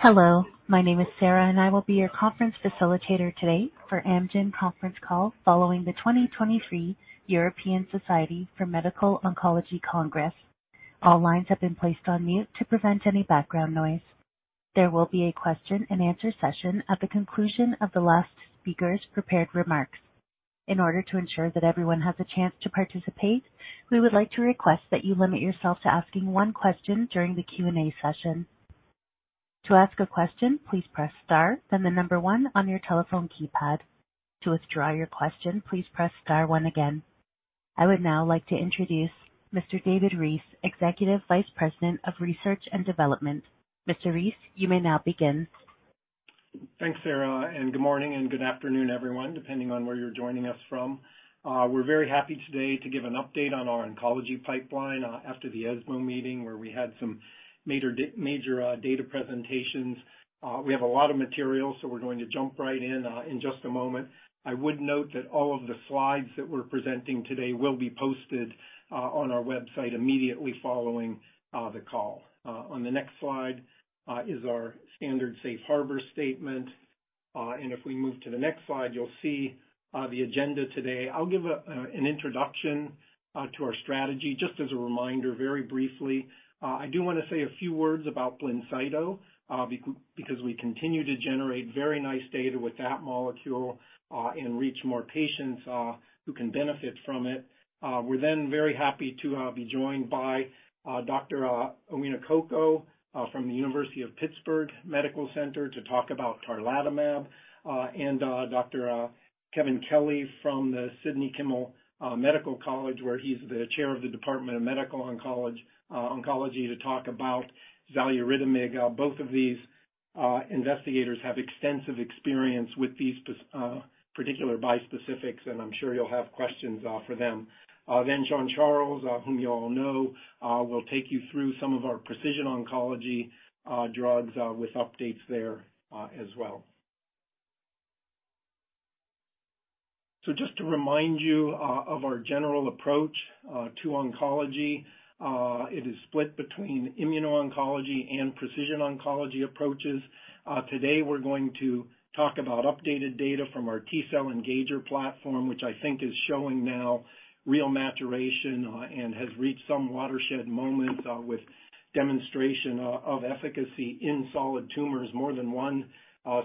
Hello, my name is Sarah, and I will be your conference facilitator today for Amgen conference call, following the 2023 European Society for Medical Oncology Congress. All lines have been placed on mute to prevent any background noise. There will be a question and answer session at the conclusion of the last speaker's prepared remarks. In order to ensure that everyone has a chance to participate, we would like to request that you limit yourself to asking one question during the Q&A session. To ask a question, please press Star, then the number one on your telephone keypad. To withdraw your question, please press Star one again. I would now like to introduce Mr. David Reese, Executive Vice President of Research and Development. Mr. Reese, you may now begin. Thanks, Sarah, and good morning and good afternoon, everyone, depending on where you're joining us from. We're very happy today to give an update on our oncology pipeline after the ESMO meeting, where we had some major data presentations. We have a lot of material, so we're going to jump right in, in just a moment. I would note that all of the slides that we're presenting today will be posted on our website immediately following the call. On the next slide is our standard safe harbor statement. If we move to the next slide, you'll see the agenda today. I'll give an introduction to our strategy, just as a reminder, very briefly. I do want to say a few words about BLINCYTO, because we continue to generate very nice data with that molecule, and reach more patients who can benefit from it. We're very happy to be joined by Dr. Taofeek K. Owonikoko from the University of Pittsburgh Medical Center, to talk about Tarlatamab, and Dr. Kevin Kelly from the Sidney Kimmel Medical College, where he's the Chair of the Department of Medical Oncology, to talk about Xaluritamig. Both of these investigators have extensive experience with these particular bispecifics, and I'm sure you'll have questions for them. Then Jean-Charles Soria, whom you all know, will take you through some of our precision oncology drugs, with updates there, as well. So just to remind you of our general approach to oncology, it is split between immuno-oncology and precision oncology approaches. Today, we're going to talk about updated data from our T-cell engager platform, which I think is showing now real maturation and has reached some watershed moments with demonstration of efficacy in solid tumors, more than one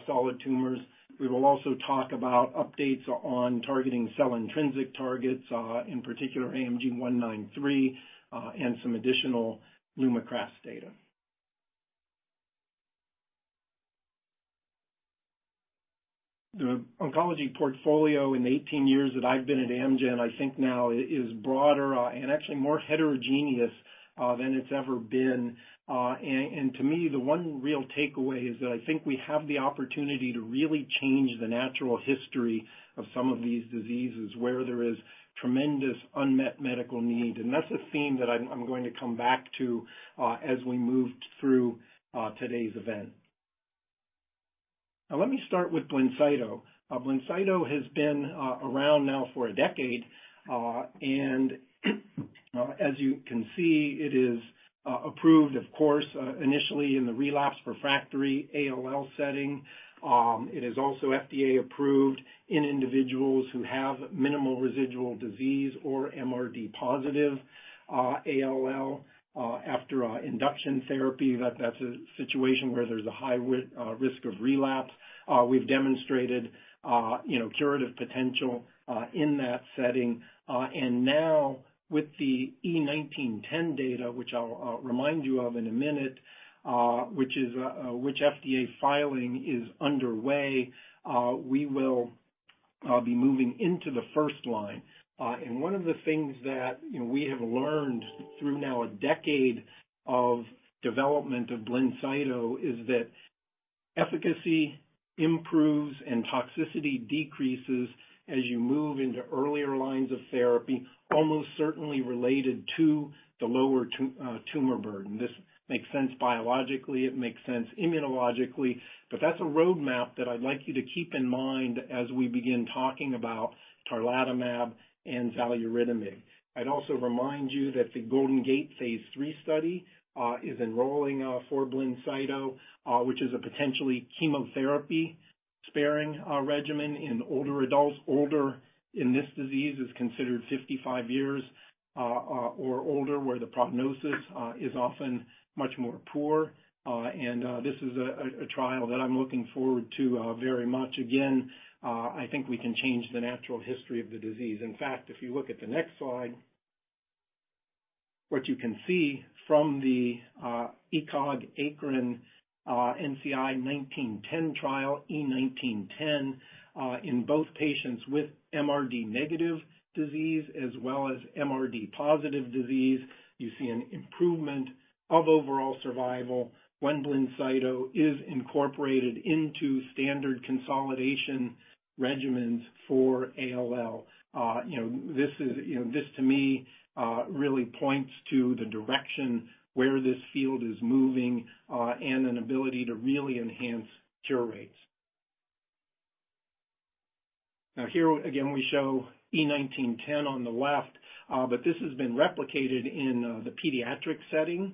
solid tumors. We will also talk about updates on targeting cell-intrinsic targets, in particular, AMG 193 and some additional LUMAKRAS data. The oncology portfolio in the 18 years that I've been at Amgen, I think now is broader and actually more heterogeneous than it's ever been. And to me, the one real takeaway is that I think we have the opportunity to really change the natural history of some of these diseases, where there is tremendous unmet medical need and that's a theme that I'm going to come back to as we move through today's event. Now, let me start with BLINCYTO. BLINCYTO has been around now for a decade, and as you can see, it is approved, of course, initially in the relapsed refractory ALL setting. It is also FDA-approved in individuals who have minimal residual disease or MRD positive ALL after induction therapy that's a situation where there's a high risk of relapse. We've demonstrated curative potential in that setting. And now with the E1910 data, which I'll remind you of in a minute, which FDA filing is underway, we will be moving into the first line. One of the things that, you know, we have learned through now a decade of development of BLINCYTO is that efficacy improves and toxicity decreases as you move into earlier lines of therapy, almost certainly related to the lower tumor burden. This makes sense biologically, it makes sense immunologically, but that's a roadmap that I'd like you to keep in mind as we begin talking about Tarlatamab and Xaluritamig. I'd also remind you that the Golden Gate phase III study is enrolling for BLINCYTO, which is a potentially chemotherapy-sparing regimen in older adults older in this disease is considered 55 years or older, where the prognosis is often much more poor. This is a trial that I'm looking forward to very much again, I think we can change the natural history of the disease in fact, if you look at the next slide, what you can see from the ECOG-ACRIN NCI 1910 trial, E1910, in both patients with MRD negative disease as well as MRD positive disease, you see an improvement of overall survival when BLINCYTO is incorporated into standard consolidation regimens for ALL. You know, this is, you know, this to me really points to the direction where this field is moving, and an ability to really enhance cure rates.... Now here again, we show E-1910 on the left, but this has been replicated in the pediatric setting,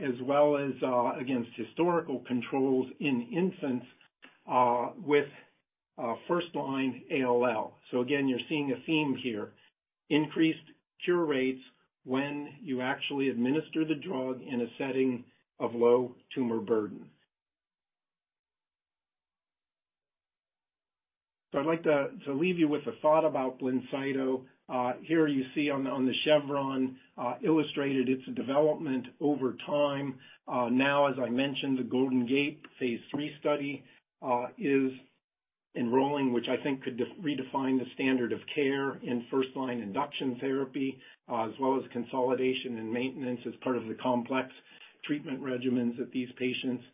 as well as against historical controls in infants with first-line ALL. So again, you're seeing a theme here. Increased cure rates when you actually administer the drug in a setting of low tumor burden. I'd like to leave you with a thought about BLINCYTO. Here you see on the chevron illustrated its development over time. Now, as I mentioned, the Golden Gate phase three study is enrolling, which I think could redefine the standard of care in first-line induction therapy, as well as consolidation and maintenance as part of the complex treatment regimens that these patients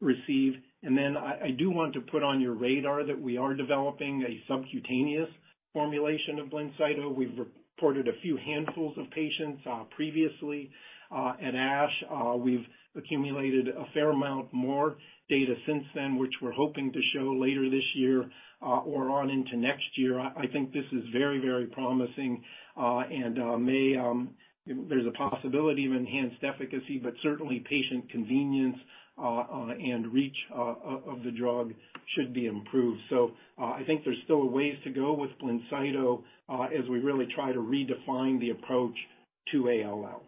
receive. And then I do want to put on your radar that we are developing a subcutaneous formulation of BLINCYTO we've reported a few handfuls of patients previously at ASH. We've accumulated a fair amount more data since then, which we're hoping to show later this year or on into next year. I think this is very, very promising, and maybe there's a possibility of enhanced efficacy, but certainly patient convenience and reach of the drug should be improved. I think there's still a ways to go with BLINCYTO as we really try to redefine the approach to ALL.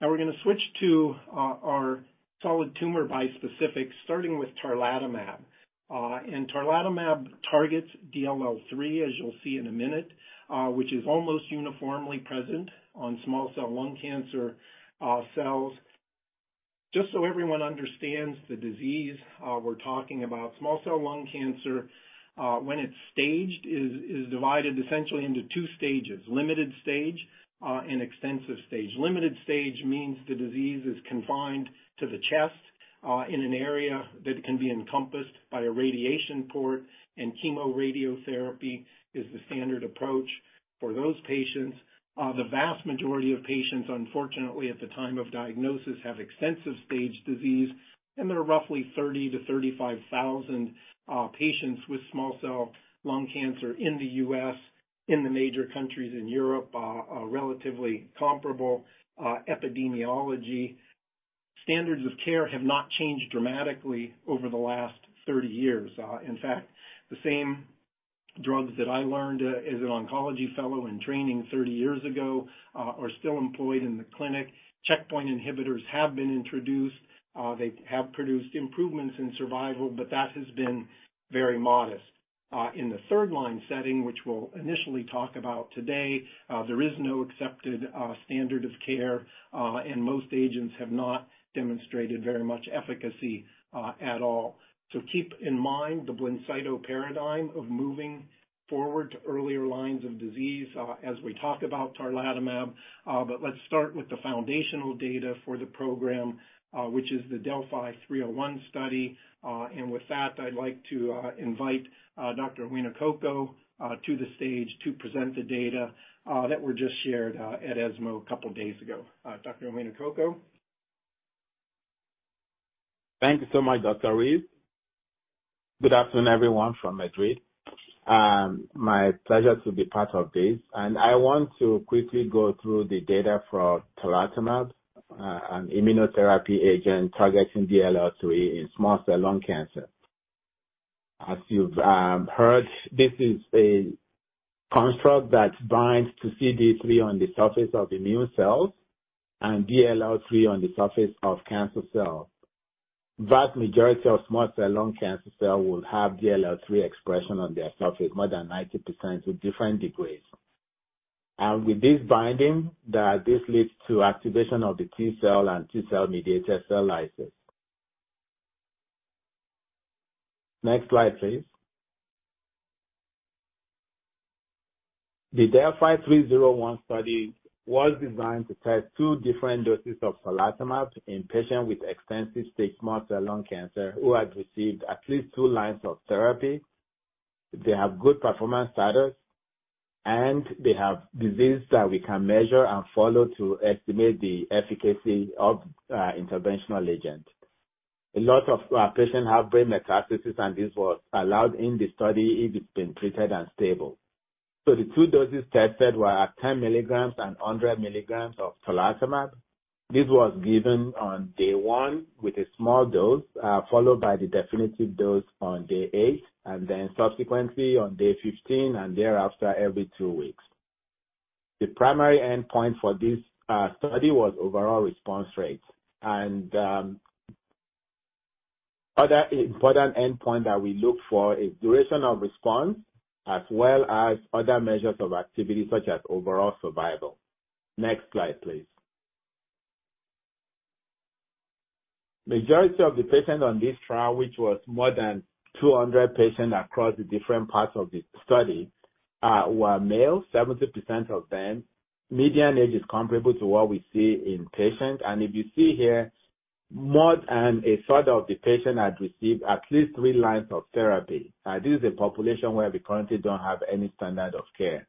Now we're gonna switch to our solid tumor bispecific, starting with Tarlatamab. And Tarlatamab targets DLL3, as you'll see in a minute, which is almost uniformly present on small cell lung cancer cells. Just so everyone understands the disease we're talking about, small cell lung cancer, when it's staged, is divided essentially into two stages: limited stage and extensive stage. Limited stage means the disease is confined to the chest, in an area that can be encompassed by a radiation port, and chemoradiotherapy is the standard approach for those patients. The vast majority of patients, unfortunately, at the time of diagnosis, have extensive stage disease, and there are roughly 30,000 to 35,000 patients with small cell lung cancer in the US. In the major countries in Europe, a relatively comparable epidemiology. Standards of care have not changed dramatically over the last 30 years. In fact, the same drugs that I learned as an oncology fellow in training 30 years ago are still employed in the clinic. Checkpoint inhibitors have been introduced. They have produced improvements in survival, but that has been very modest. In the third-line setting, which we'll initially talk about today, there is no accepted standard of care, and most agents have not demonstrated very much efficacy at all. So keep in mind the BLINCYTO paradigm of moving forward to earlier lines of disease, as we talk about Tarlatamab. But let's start with the foundational data for the program, which is the Delphi 301 study. And with that, I'd like to invite Dr. Owonikoko to the stage to present the data that were just shared at ESMO a couple days ago. Dr. Owonikoko? Thank you so much, Dr. Reese. Good afternoon, everyone, from Madrid. My pleasure to be part of this, and I want to quickly go through the data for Tarlatamab, an immunotherapy agent targeting DLL3 in small cell lung cancer. As you've heard, this is a construct that binds to CD3 on the surface of immune cells and DLL3 on the surface of cancer cells. Vast majority of small cell lung cancer cell will have DLL3 expression on their surface, more than 90% with different degrees. With this binding, that this leads to activation of the T cell and T-cell mediated cell lysis. Next slide, please. The DeLLphi 301 study was designed to test two different doses of Tarlatamab in patients with extensive stage small cell lung cancer, who had received at least two lines of therapy. They have good performance status, and they have disease that we can measure and follow to estimate the efficacy of interventional agent. A lot of our patients have brain metastasis, and this was allowed in the study if it's been treated and stable. The two doses tested were at 10 mg and 100 mg of Tarlatamab. This was given on day one with a small dose followed by the definitive dose on day eight, and then subsequently on day 15, and thereafter, every two weeks. The primary endpoint for this study was overall response rates. And other important endpoint that we look for is duration of response, as well as other measures of activity, such as overall survival. Next slide, please. Majority of the patients on this trial, which was more than 200 patients across the different parts of the study, were male, 70% of them. Median age is comparable to what we see in patients, and if you see here, more than a third of the patients had received at least three lines of therapy. This is a population where we currently don't have any standard of care.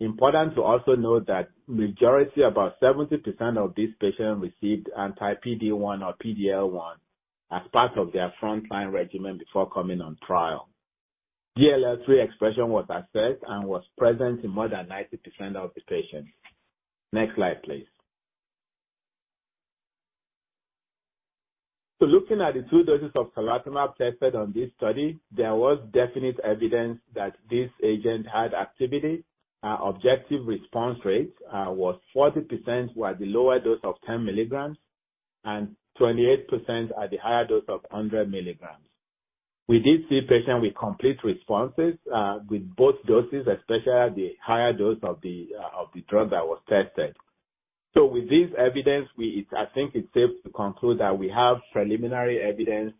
Important to also note that majority, about 70% of these patients, received anti-PD-1 or PD-L1 as part of their frontline regimen before coming on trial. DLL3 expression was assessed and was present in more than 90% of the patients. Next slide, please. Looking at the two doses of Tarlatamab tested on this study, there was definite evidence that this agent had activity. Our objective response rate was 40% at the lower dose of 10 mg and 28% at the higher dose of 100 mg. We did see patients with complete responses with both doses, especially at the higher dose of the drug that was tested. With this evidence, we, I think it's safe to conclude that we have preliminary evidence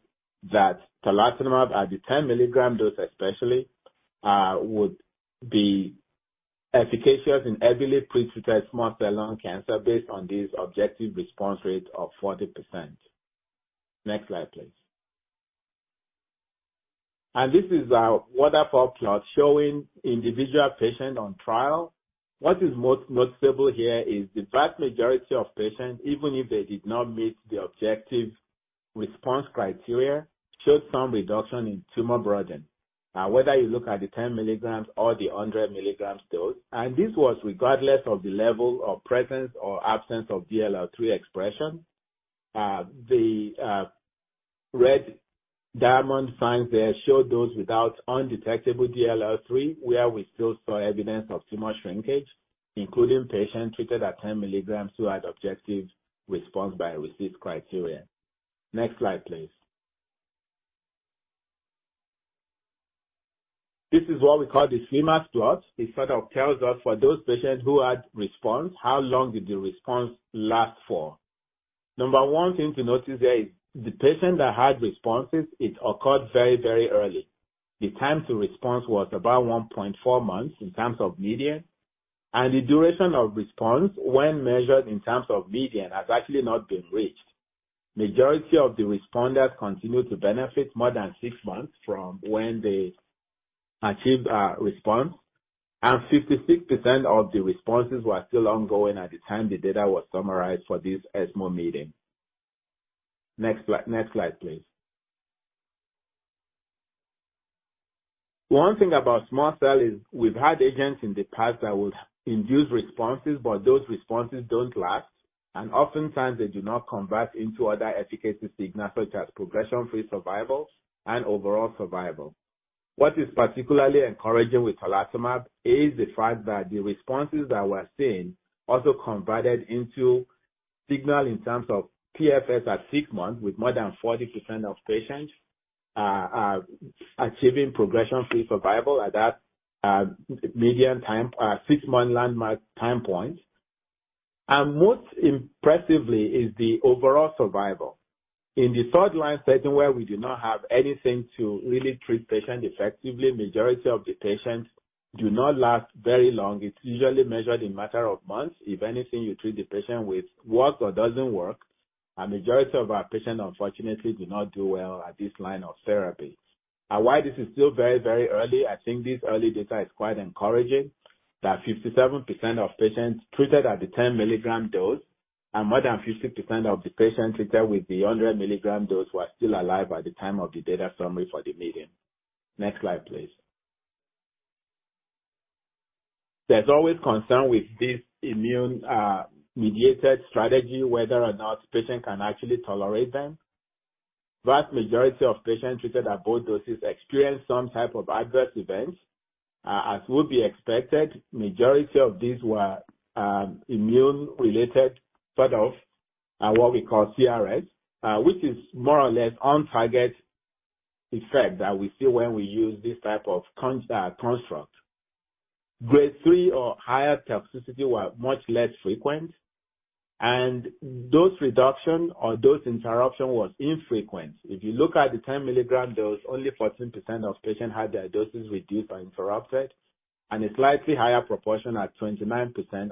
that Tarlatamab, at the 10 mg dose especially, would be efficacious in heavily pre-treated small cell lung cancer based on this objective response rate of 40%. Next slide, please. This is our waterfall plot showing individual patient on trial. What is most noticeable here is the vast majority of patients, even if they did not meet the objective response criteria, showed some reduction in tumor burden. Now, whether you look at the 10 mg or the 100 mg dose, and this was regardless of the level of presence or absence of DLL3 expression. The red diamond signs there show those without undetectable DLL3, where we still saw evidence of tumor shrinkage, including patients treated at 10 mg who had objective response by RECIST criteria. Next slide, please. This is what we call the Swimmer plot. It sort of tells us, for those patients who had response, how long did the response last for? Number one thing to notice there is the patient that had responses, it occurred very, very early. The time to response was about 1.4 months in terms of median, and the duration of response when measured in terms of median, has actually not been reached. Majority of the responders continued to benefit more than six months from when they achieved response, and 56% of the responses were still ongoing at the time the data was summarized for this ESMO meeting. Next slide, next slide, please. One thing about small cell is we've had agents in the past that would induce responses, but those responses don't last, and oftentimes they do not convert into other efficacy signals, such as progression-free survival and overall survival. What is particularly encouraging with Tarlatamab is the fact that the responses that we're seeing also converted into signal in terms of PFS at six months, with more than 40% of patients achieving progression-free survival at that median time six-month landmark time point. Most impressively is the overall survival. In the third line setting, where we do not have anything to really treat patients effectively, majority of the patients do not last very long. It's usually measured in matter of months. If anything, you treat the patient with works or doesn't work, and majority of our patients unfortunately do not do well at this line of therapy. While this is still very, very early, I think this early data is quite encouraging, that 57% of patients treated at the 10 mg dose, and more than 50% of the patients treated with the 100 mg dose, were still alive by the time of the data summary for the meeting. Next slide, please. There's always concern with this immune, mediated strategy, whether or not patients can actually tolerate them. Vast majority of patients treated at both doses experienced some type of adverse events. As would be expected, majority of these were immune-related, sort of, what we call CRS, which is more or less on-target effect that we see when we use this type of construct. Grade three or higher toxicity were much less frequent, and dose reduction or dose interruption was infrequent. If you look at the 10 mg dose, only 14% of patients had their doses reduced or interrupted, and a slightly higher proportion, at 29%,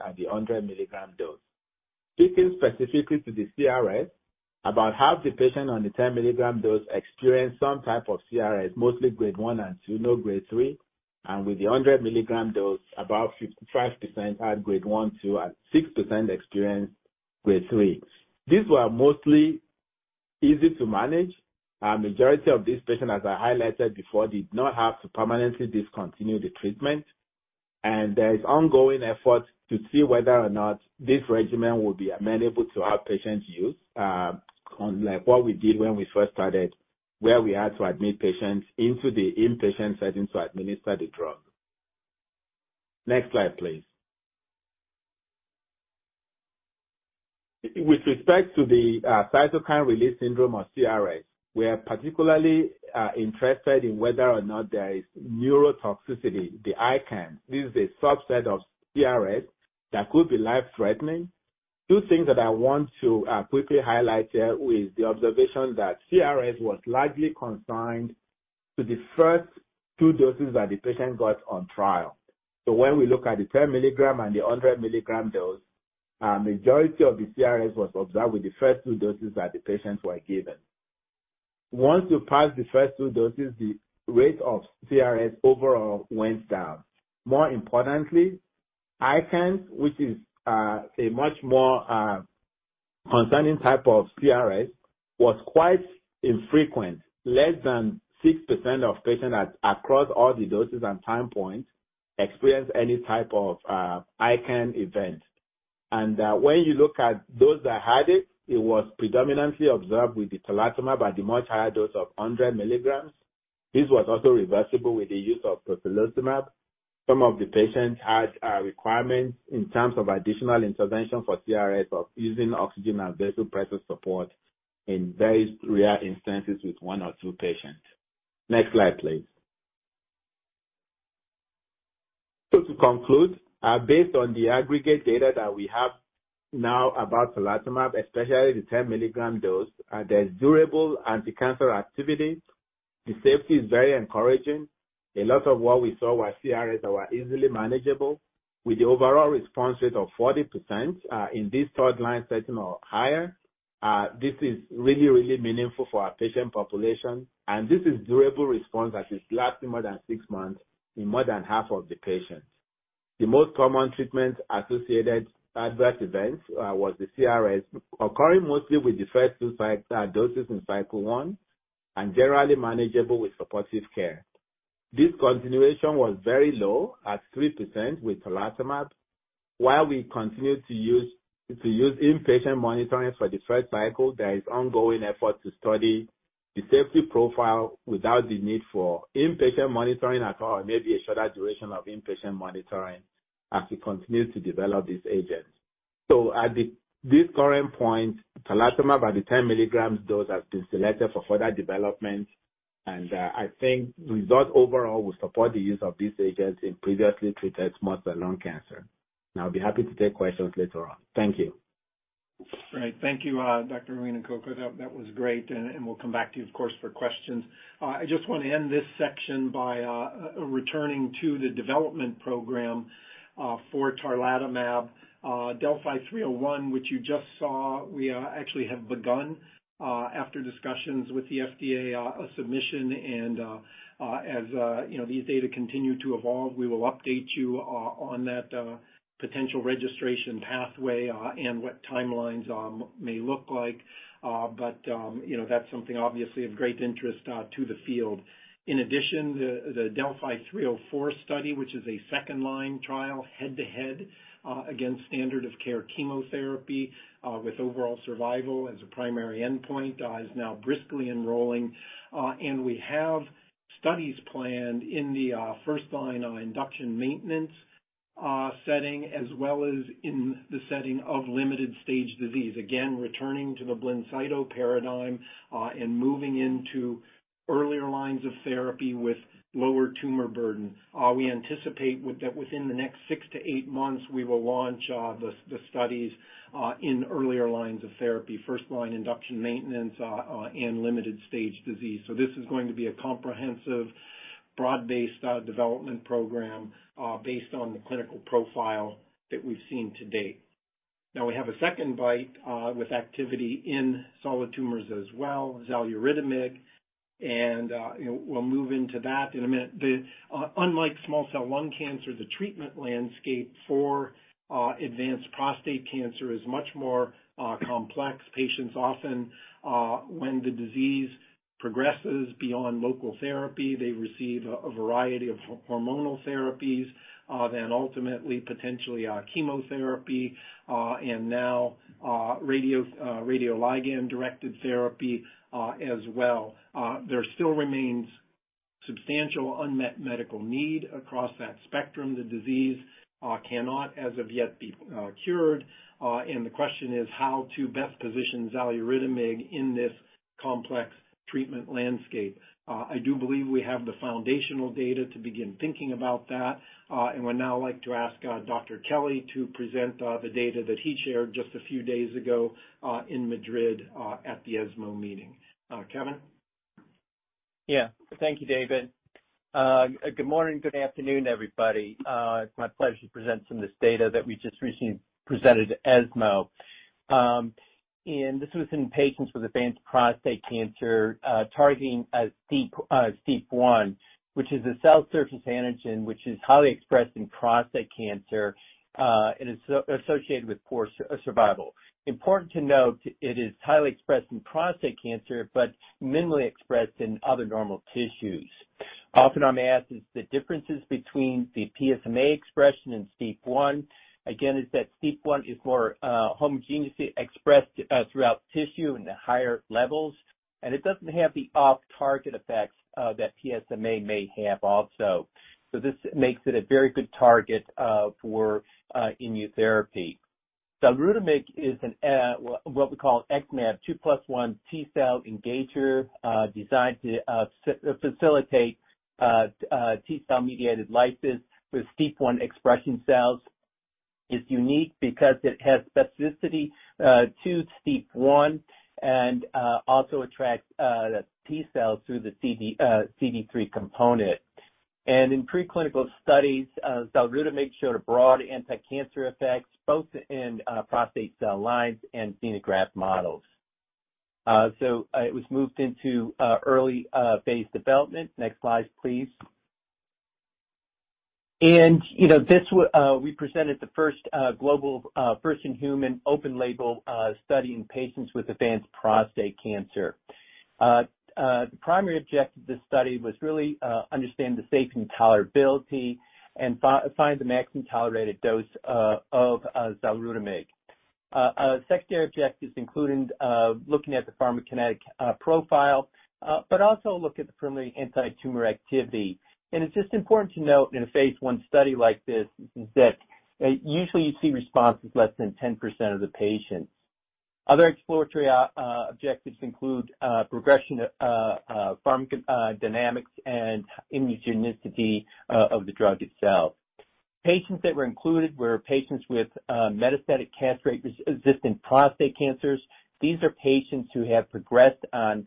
at the 100 mg dose. Speaking specifically to the CRS, about half the patients on the 10 mg dose experienced some type of CRS, mostly grade one and two, no grade three. With the 100 mg dose, about 55% had grade one, two, and 6% experienced grade three. These were mostly easy to manage. A majority of these patients, as I highlighted before, did not have to permanently discontinue the treatment. There is ongoing efforts to see whether or not this regimen will be amenable to our patients' use, on like what we did when we first started, where we had to admit patients into the inpatient setting to administer the drug. Next slide, please. With respect to the cytokine release syndrome or CRS, we are particularly interested in whether or not there is neurotoxicity, the ICANS this is a subset of CRS that could be life-threatening. Two things that I want to quickly highlight here is the observation that CRS was largely confined to the first two doses that the patient got on trial. When we look at the 10 mg and the 100 mg dose, a majority of the CRS was observed with the first two doses that the patients were given... once you pass the first two doses, the rate of CRS overall went down. More importantly, ICANS, which is a much more concerning type of CRS, was quite infrequent. Less than 6% of patients across all the doses and time points experienced any type of ICANS event. And when you look at those that had it, it was predominantly observed with the Tarlatamab at the much higher dose of 100 mg. This was also reversible with the use of tocilizumab. Some of the patients had requirements in terms of additional intervention for CRS of using oxygen and vasopressor support in very rare instances with one or two patients. Next slide, please. To conclude, based on the aggregate data that we have now about Tarlatamab, especially the 10 mg dose, there's durable anticancer activity. The safety is very encouraging. A lot of what we saw were CRS that were easily manageable, with the overall response rate of 40%, in this third line setting or higher. This is really, really meaningful for our patient population, and this is durable response that is lasting more than six months in more than half of the patients. The most common treatment-associated adverse events, was the CRS, occurring mostly with the first two cycles, doses in cycle one, and generally manageable with supportive care. Discontinuation was very low, at 3% with Tarlatamab. While we continue to use inpatient monitoring for the first cycle, there is ongoing effort to study the safety profile without the need for inpatient monitoring at all, or maybe a shorter duration of inpatient monitoring as we continue to develop this agent. At this current point, Tarlatamab at the 10 mg dose has been selected for further development. I think the results overall will support the use of this agent in previously treated small cell lung cancer. I'll be happy to take questions later on. Thank you. Great. Thank you, Dr. Owonikoko. That was great, and we'll come back to you, of course, for questions. I just want to end this section by returning to the development program for Tarlatamab. DELPHI-301, which you just saw, we actually have begun, after discussions with the FDA, a submission and, as you know, these data continue to evolve, we will update you on that potential registration pathway and what timelines may look like. But you know, that's something obviously of great interest to the field. In addition, the DeLLphi-304 study, which is a second-line trial, head-to-head against standard of care chemotherapy, with overall survival as a primary endpoint, is now briskly enrolling. And we have studies planned in the first-line induction maintenance setting, as well as in the setting of limited stage disease. Again, returning to the BLINCYTO paradigm, and moving into earlier lines of therapy with lower tumor burden. We anticipate with that, within the next six to eight months, we will launch the studies in earlier lines of therapy, first-line induction maintenance, and limited stage disease. So this is going to be a comprehensive, broad-based development program based on the clinical profile that we've seen to date. Now, we have a second BiTE with activity in solid tumors as well, Xaluritamig, and, you know, we'll move into that in a minute. Unlike small cell lung cancer, the treatment landscape for advanced prostate cancer is much more complex. Patients often, when the disease progresses beyond local therapy, they receive a variety of hormonal therapies, then ultimately potentially, chemotherapy, and now, radioligand-directed therapy, as well. There still remains substantial unmet medical need across that spectrum. The disease cannot, as of yet, be cured. And the question is how to best position Xaluritamig in this complex treatment landscape. I do believe we have the foundational data to begin thinking about that, and would now like to ask, Dr. Kelly to present, the data that he shared just a few days ago, in Madrid, at the ESMO meeting. Kevin? Yeah. Thank you, David. Good morning, good afternoon, everybody. It's my pleasure to present some of this data that we just recently presented to ESMO. And this was in patients with advanced prostate cancer, targeting STEAP1, which is a cell surface antigen, which is highly expressed in prostate cancer, and is associated with poor survival. Important to note, it is highly expressed in prostate cancer, but minimally expressed in other normal tissues. Often I'm asked is the differences between the PSMA expression and STEAP1. Again, it's that STEAP1 is more homogeneously expressed throughout tissue into higher levels, and it doesn't have the off-target effects that PSMA may have also. So this makes it a very good target for immunotherapy. Xaluritamig is a 2:1 T cell engager designed to facilitate T cell-mediated lysis of STEAP1-expressing cells. It's unique because it has specificity to STEAP1 and also attracts the T cells through the CD3 component. In preclinical studies, Xaluritamig showed a broad anti-cancer effects, both in prostate cell lines and xenograft models. It was moved into early phase development. Next slide, please. And, you know, this we presented the first global first-in-human open label study in patients with advanced prostate cancer. The primary objective of this study was really understand the safety and tolerability and find the maximum tolerated dose of Xaluritamig. Secondary objectives including looking at the pharmacokinetic profile, but also look at the primary anti-tumor activity. And it's just important to note, in a phase one study like this, is that usually you see responses less than 10% of the patients. Other exploratory objectives include progression, pharmacodynamics and immunogenicity of the drug itself. Patients that were included were patients with metastatic castration-resistant prostate cancers. These are patients who have progressed on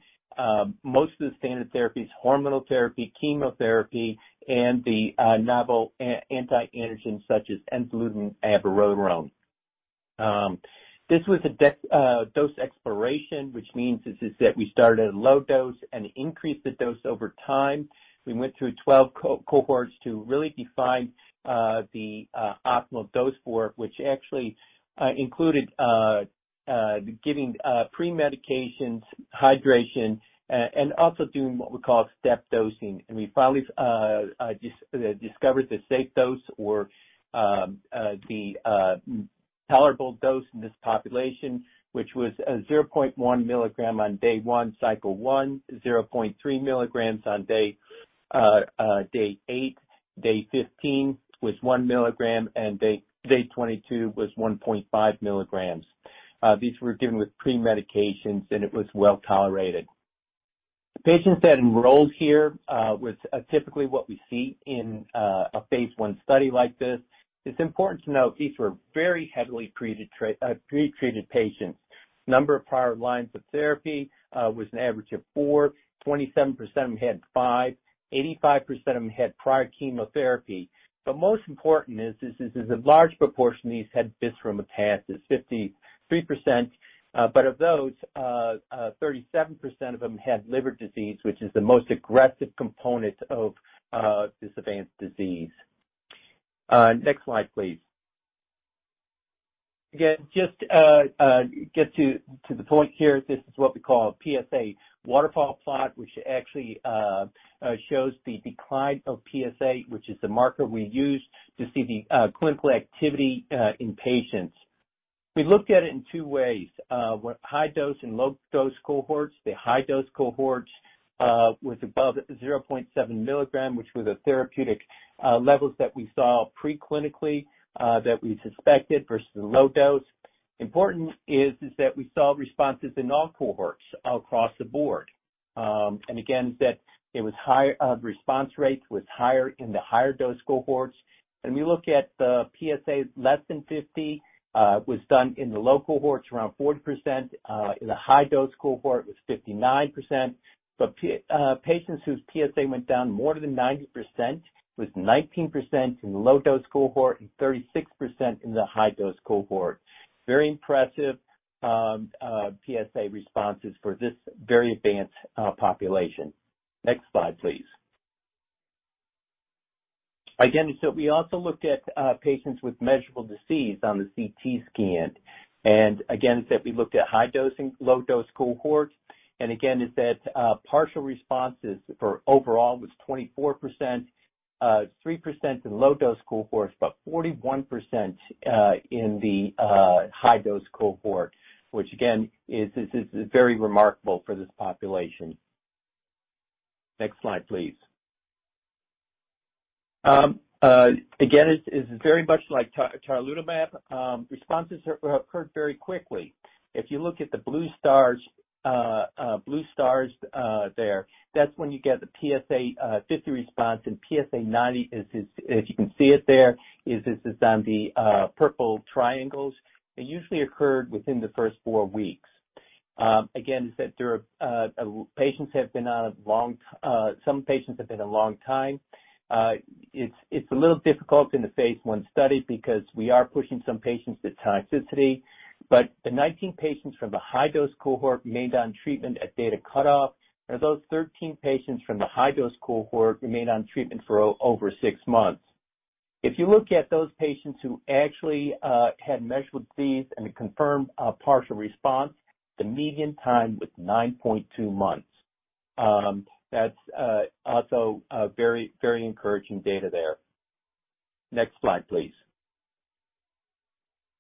most of the standard therapies, hormonal therapy, chemotherapy, and the novel anti-androgens, such as enzalutamide and apalutamide. This was a dose exploration, which means that we started at a low dose and increased the dose over time. We went through 12 cohorts to really define the optimal dose for it, which actually included giving pre-medications, hydration, and also doing what we call step dosing. We finally discovered the safe dose or the tolerable dose in this population, which was 0.1 mg on day one, cycle 1, 0.3 mg on day eight. Day 15 was 1 mg, and day 22 was 1.5 mg. These were given with pre-medications, and it was well tolerated. The patients that enrolled here was typically what we see in a phase one study like this. It's important to note these were very heavily pretreated patients. Number of prior lines of therapy was an average of 4. 27% of them had 5, 85% of them had prior chemotherapy. But most important is a large proportion of these had bone metastasis, 53%. But of those, 37% of them had liver disease, which is the most aggressive component of this advanced disease. Next slide, please. Again, just get to the point here, this is what we call a PSA waterfall plot, which actually shows the decline of PSA, which is the marker we use to see the clinical activity in patients. We looked at it in two ways, with high dose and low dose cohorts. The high dose cohorts was above 0.7 mg, which were the therapeutic levels that we saw preclinically that we suspected versus the low dose. Important is that we saw responses in all cohorts across the board. And again, that it was high response rates was higher in the higher dose cohorts. When we look at the PSA, less than 50, was done in the low cohorts, around 40%. In the high-dose cohort, it was 59%. But patients whose PSA went down more than 90% was 19% in the low-dose cohort and 36% in the high-dose cohort. Very impressive, PSA responses for this very advanced, population. Next slide, please. Again, so we also looked at, patients with measurable disease on the CT scan. And again, that we looked at high dosing, low dose cohorts. And again, is that, partial responses for overall was 24%, 3% in low dose cohorts, but 41% in the, high dose cohort, which again, is very remarkable for this population. Next slide, please. Again, it's very much like Tarlatamab. Responses occurred very quickly. If you look at the blue stars there, that's when you get the PSA 50 response, and PSA 90 is, if you can see it there, on the purple triangles. It usually occurred within the first four weeks. Again, there are patients who have been on a long time. Some patients have been a long time. It's a little difficult in the phase one study because we are pushing some patients to toxicity. But the 19 patients from the high-dose cohort remained on treatment at data cutoff, and those 13 patients from the high-dose cohort remained on treatment for over six months. If you look at those patients who actually had measurable disease and a confirmed partial response, the median time was 9.2 months. That's also very, very encouraging data there. Next slide, please.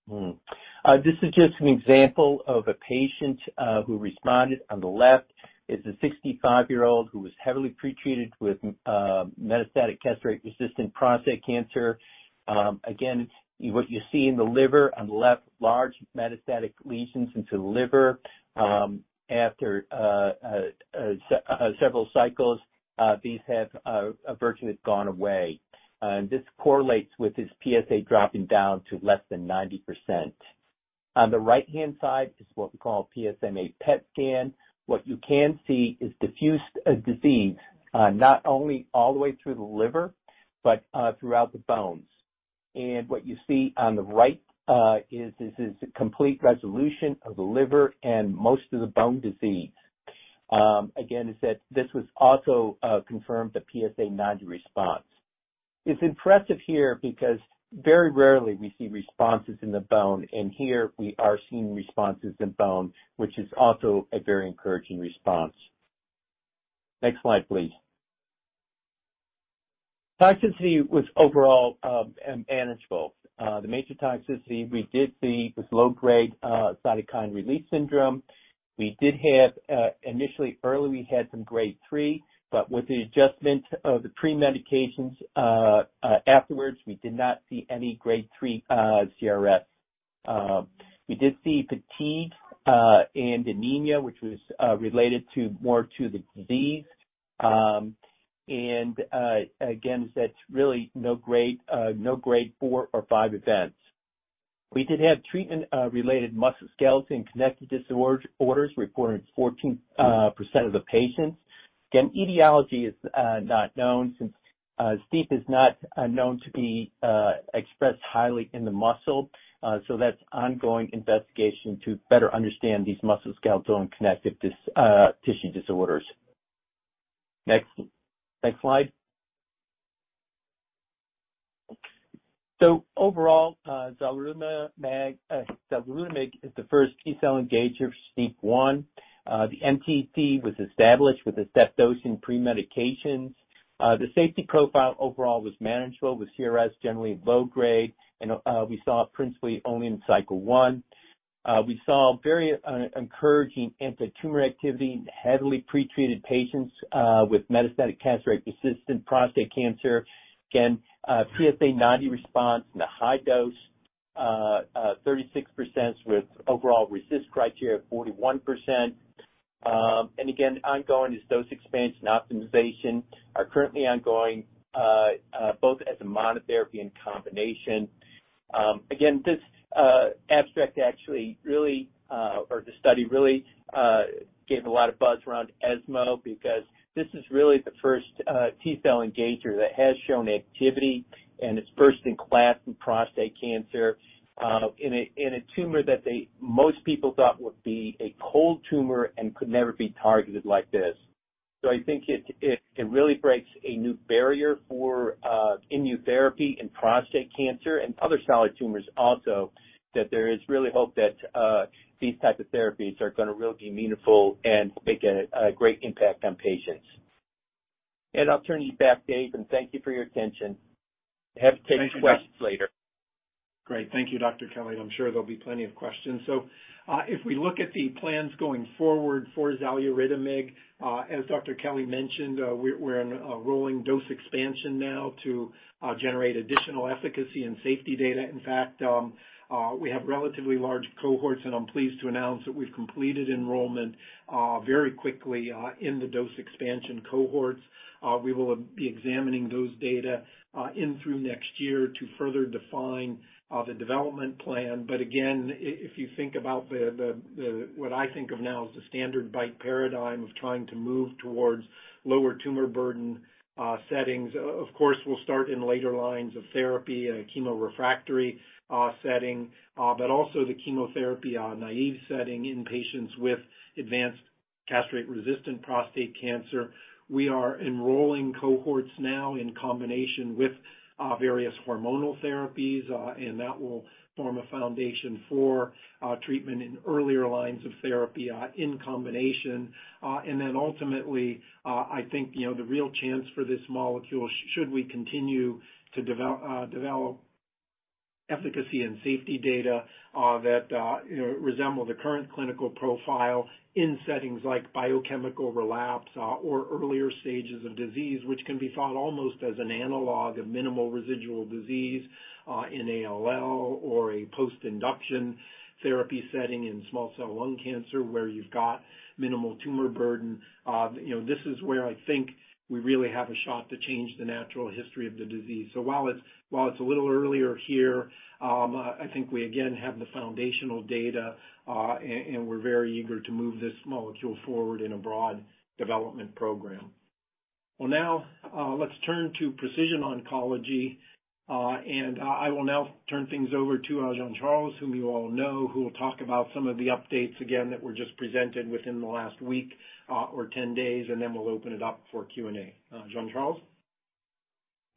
This is just an example of a patient who responded. On the left is a 65-year-old who was heavily pretreated with metastatic castration-resistant prostate cancer. Again, what you see in the liver, on the left, large metastatic lesions into the liver. After several cycles, these have virtually gone away. And this correlates with his PSA dropping down to less than 90%. On the right-hand side is what we call PSMA PET scan. What you can see is diffuse disease not only all the way through the liver, but throughout the bones. And what you see on the right is, this is a complete resolution of the liver and most of the bone disease. Again, that this was also confirmed the PSA 90 response. It's impressive here because very rarely we see responses in the bone, and here we are seeing responses in bone, which is also a very encouraging response. Next slide, please. Toxicity was overall manageable. The major toxicity we did see was low-grade cytokine release syndrome. We did have initially early, we had some grade three, but with the adjustment of the premedications, afterwards, we did not see any grade three CRS. We did see fatigue and anemia, which was related to more to the disease. And again, that's really no grade four or five events. We did have treatment related musculoskeletal and connective disorders reported in 14% of the patients. Again, etiology is not known since STEAP1 is not known to be expressed highly in the muscle. That's ongoing investigation to better understand these muscle skeletal and connective tissue disorders. Next slide. Overall, Xaluritamig is the first T-cell engager for STEAP1. The MTD was established with a step-dosing premedications. The safety profile overall was manageable, with CRS generally low grade, and we saw principally only in cycle one. We saw very encouraging antitumor activity in heavily pretreated patients with metastatic castration-resistant prostate cancer. Again, PSA 90 response in the high dose, 36% with overall RECIST criteria of 41%. Ongoing is dose expansion and optimization are currently ongoing, both as a monotherapy and combination. Again, this abstract actually really, or the study really, gave a lot of buzz around ESMO because this is really the first T-cell engager that has shown activity, and it's first in class in prostate cancer, in a tumor that most people thought would be a cold tumor and could never be targeted like this. So I think it really breaks a new barrier for immunotherapy in prostate cancer and other solid tumors also, that there is really hope that these type of therapies are gonna really be meaningful and make a great impact on patients. And I'll turn you back, Dave, and thank you for your attention. Happy to take questions later. Great. Thank you, Dr. Kelly. I'm sure there'll be plenty of questions. So, if we look at the plans going forward for Xaluritamig, as Dr. Kelly mentioned, we're on a rolling dose expansion now to generate additional efficacy and safety data. In fact, we have relatively large cohorts, and I'm pleased to announce that we've completed enrollment very quickly in the dose expansion cohorts. We will be examining those data in through next year to further define the development plan. But again, if you think about what I think of now as the standard BiTE paradigm of trying to move towards lower tumor burden settings. Of course, we'll start in later lines of therapy in a chemo-refractory setting, but also the chemotherapy-naive setting in patients with advanced castration-resistant prostate cancer. We are enrolling cohorts now in combination with various hormonal therapies, and that will form a foundation for treatment in earlier lines of therapy, in combination. And then ultimately, I think, you know, the real chance for this molecule, should we continue to develop efficacy and safety data, that, you know, resemble the current clinical profile in settings like biochemical relapse, or earlier stages of disease, which can be thought almost as an analog of minimal residual disease, in ALL, or a post-induction therapy setting in small cell lung cancer, where you've got minimal tumor burden. You know, this is where I think we really have a shot to change the natural history of the disease. So while it's, while it's a little earlier here, I think we again have the foundational data, and, and we're very eager to move this molecule forward in a broad development program. Well, now, let's turn to precision oncology. And, I will now turn things over to Jean-Charles, whom you all know, who will talk about some of the updates again that were just presented within the last week, or ten days, and then we'll open it up for Q&A. Jean-Charles?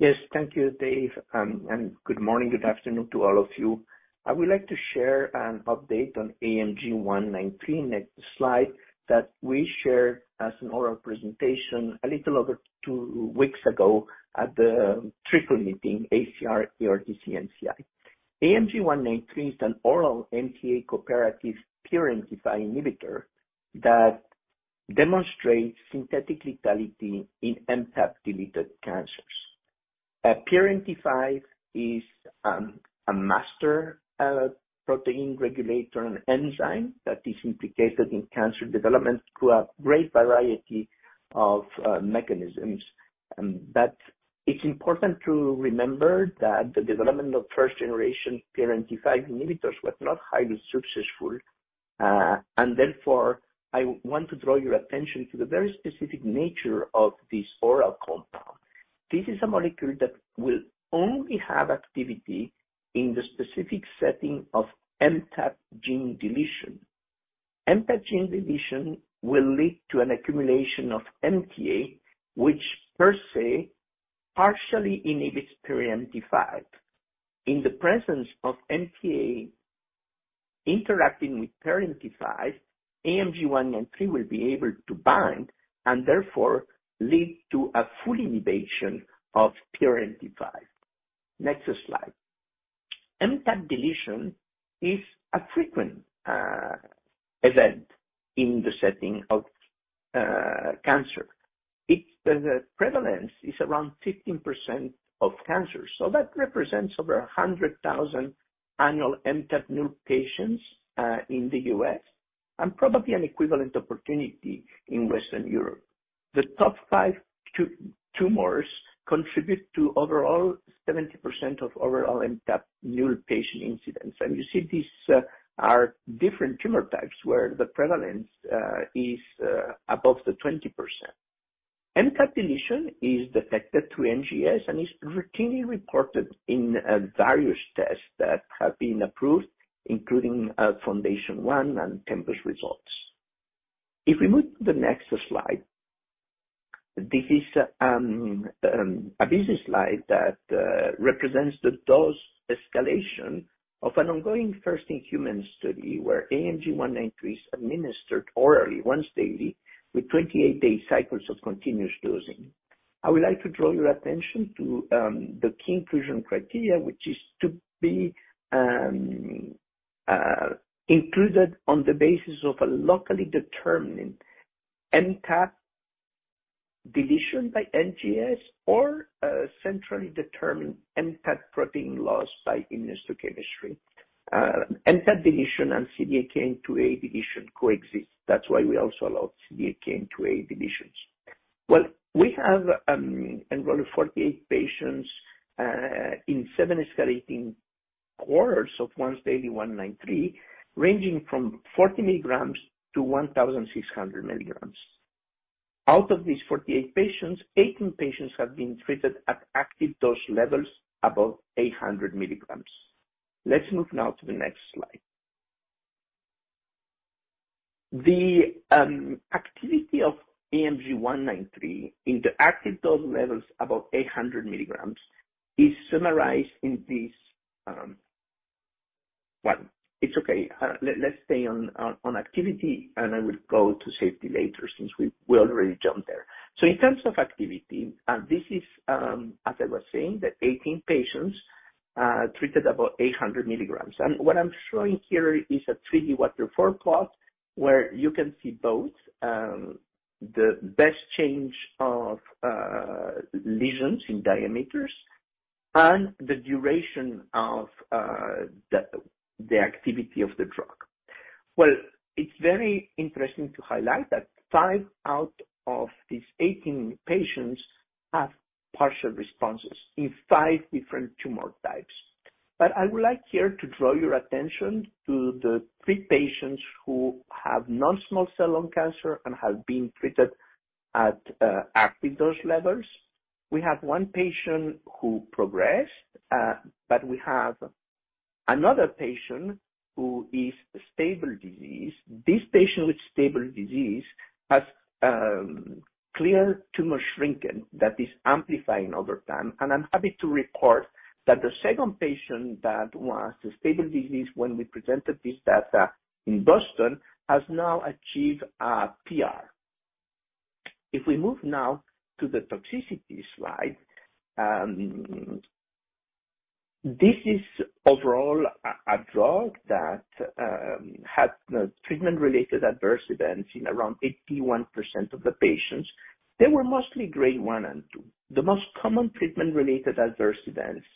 Yes, thank you, Dave, and good morning, good afternoon to all of you. I would like to share an update on AMG 193, next slide, that we shared as an oral presentation a little over two weeks ago at the triple meeting, AACR, EORTC, NCI. AMG 193 is an oral MTA-cooperative PRMT5 inhibitor that demonstrates synthetic lethality in MTAP-deleted cancers. PRMT5 is a master protein regulator and enzyme that is implicated in cancer development through a great variety of mechanisms, and that it's important to remember that the development of first generation PRMT5 inhibitors was not highly successful. And therefore, I want to draw your attention to the very specific nature of this oral compound. This is a molecule that will only have activity in the specific setting of MTAP gene deletion. MTAP gene deletion will lead to an accumulation of MTA, which per se, partially inhibits PRMT5. In the presence of MTA interacting with PRMT5, AMG 193 will be able to bind, and therefore lead to a full inhibition of PRMT5. Next slide. MTAP deletion is a frequent event in the setting of cancer. The prevalence is around 15% of cancer, so that represents over 100,000 annual MTAP new patients in the U.S. and probably an equivalent opportunity in Western Europe. The top five tumors contribute to overall 70% of overall MTAP new patient incidents. And you see these are different tumor types where the prevalence is above the 20%. MTAP deletion is detected through NGS and is routinely reported in various tests that have been approved, including FoundationOne and Tempus results. If we move to the next slide, this is a busy slide that represents the dose escalation of an ongoing first-in-human study, where AMG 193 is administered orally once daily, with 28-day cycles of continuous dosing. I would like to draw your attention to the key inclusion criteria, which is to be included on the basis of a locally determined MTAP deletion by NGS or a centrally determined MTAP protein loss by immunohistochemistry. MTAP deletion and CDKN2A deletion coexist. That's why we also allow CDKN2A deletions. Well, we have enrolled 48 patients in seven escalating quarters of once daily 193, ranging from 40 mg to 1,600 mg. Out of these 48 patients, 18 patients have been treated at active dose levels above 800 mg. Let's move now to the next slide. The activity of AMG 193 in the active dose levels above 800 mg is summarized in this... Well, it's okay. Let's stay on activity, and I will go to safety later, since we already jumped there. So in terms of activity, and this is, as I was saying, the 18 patients treated about 800 mg. What I'm showing here is a 3-D waterfall plot, where you can see both the best change of lesions in diameters and the duration of the activity of the drug. Well, it's very interesting to highlight that five out of these 18 patients have partial responses in five different tumor types. I would like here to draw your attention to the three patients who have non-small cell lung cancer and have been treated at active dose levels. We have one patient who progressed, we have another patient who is stable disease. This patient with stable disease has clear tumor shrinking that is amplifying over time. I'm happy to report that the second patient that was a stable disease when we presented this data in Boston has now achieved a PR. If we move now to the toxicity slide, this is overall a drug that has treatment-related adverse events in around 81% of the patients. They were mostly grade 1 and 2. The most common treatment-related adverse events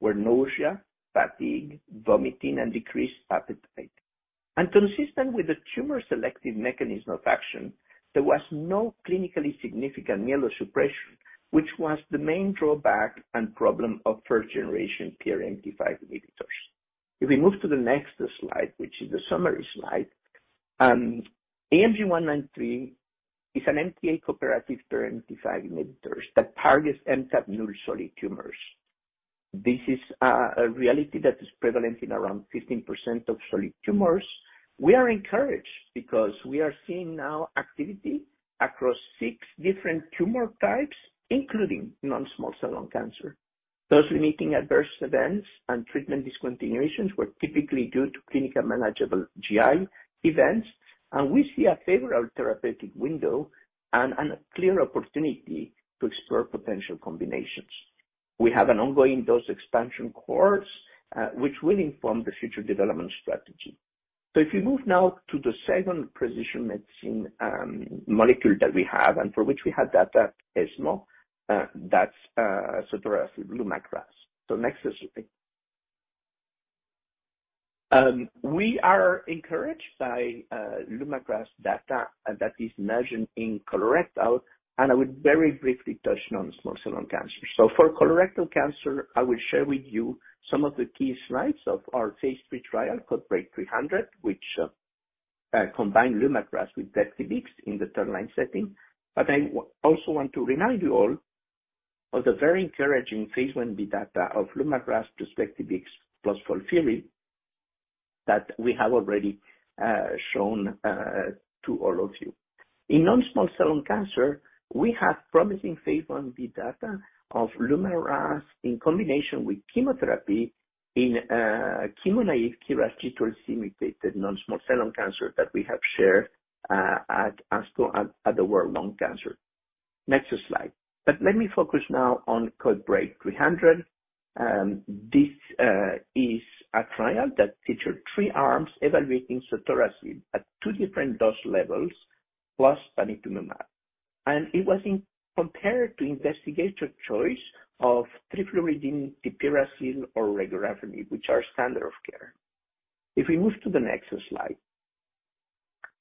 were nausea, fatigue, vomiting, and decreased appetite. Consistent with the tumor selective mechanism of action, there was no clinically significant myelosuppression, which was the main drawback and problem of first generation PRMT5 inhibitors. If we move to the next slide, which is the summary slide, AMG 193 is an MTA cooperative PRMT5 inhibitor that targets MTAP null solid tumors. This is a reality that is prevalent in around 15% of solid tumors. We are encouraged because we are seeing now activity across 6 different tumor types, including non-small cell lung cancer. Dose-limiting adverse events and treatment discontinuations were typically due to clinically manageable GI events, and we see a favorable therapeutic window and a clear opportunity to explore potential combinations. We have an ongoing dose expansion course, which will inform the future development strategy. If you move now to the second precision medicine molecule that we have and for which we have data at ESMO, that's sotorasib. Next slide. We are encouraged by LUMAKRAS data that is measured in colorectal, and I would very briefly touch on small cell lung cancer. For colorectal cancer, I will share with you some of the key slides of our phase 3 trial, CodeBreaK 300, which combine LUMAKRAS with Tecentriq in the third-line setting. But I also want to remind you all of the very encouraging phase 1b data of LUMAKRAS to Tecentriq plus FOLFIRI, that we have already shown to all of you. In non-small cell lung cancer, we have promising phase 1b data of LUMAKRAS in combination with chemotherapy in chemo-naive KRAS G12C-mutated non-small cell lung cancer that we have shared at ASCO at the World Lung Cancer. Next slide. But let me focus now on CodeBreaK 300. This is a trial that featured three arms evaluating sotorasib at two different dose levels plus panitumumab. And it was compared to investigator choice of trifluridine/tipiracil or regorafenib, which are standard of care. If we move to the next slide.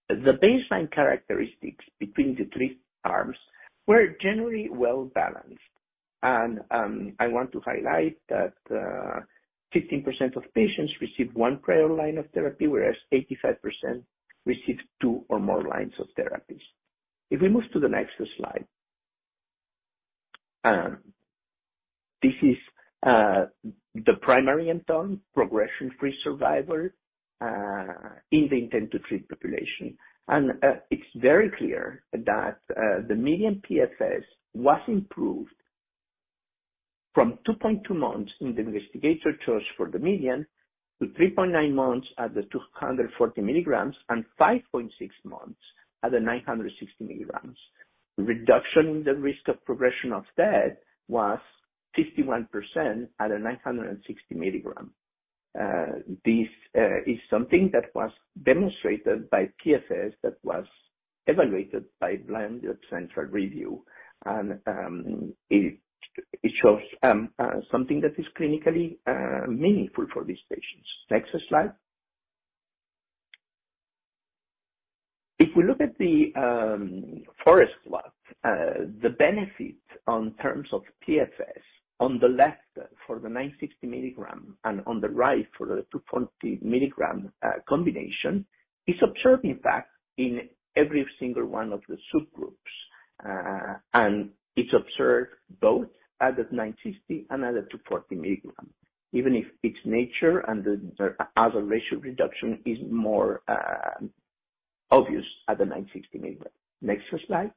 The baseline characteristics between the three arms were generally well-balanced, and I want to highlight that 15% of patients received one prior line of therapy, whereas 85% received two or more lines of therapies. If we move to the next slide. This is the primary endpoint, progression-free survival, in the intent to treat population. And it's very clear that the median PFS was improved from 2.2 months in the investigator choice for the median, to 3.9 months at the 240 mg, and 5.6 months at the 960 mg. Reduction in the risk of progression of death was 51% at a 960 mg. This is something that was demonstrated by PFS, that was evaluated by blind central review, and it shows something that is clinically meaningful for these patients. Next slide. If we look at the forest plot, the benefit in terms of PFS on the left for the 960 mg and on the right for the 240 mg combination is observed, in fact, in every single one of the subgroups. And it's observed both at the 960 and at the 240 mg, even if its nature and the hazard ratio reduction is more obvious at the 960 mg. Next slide.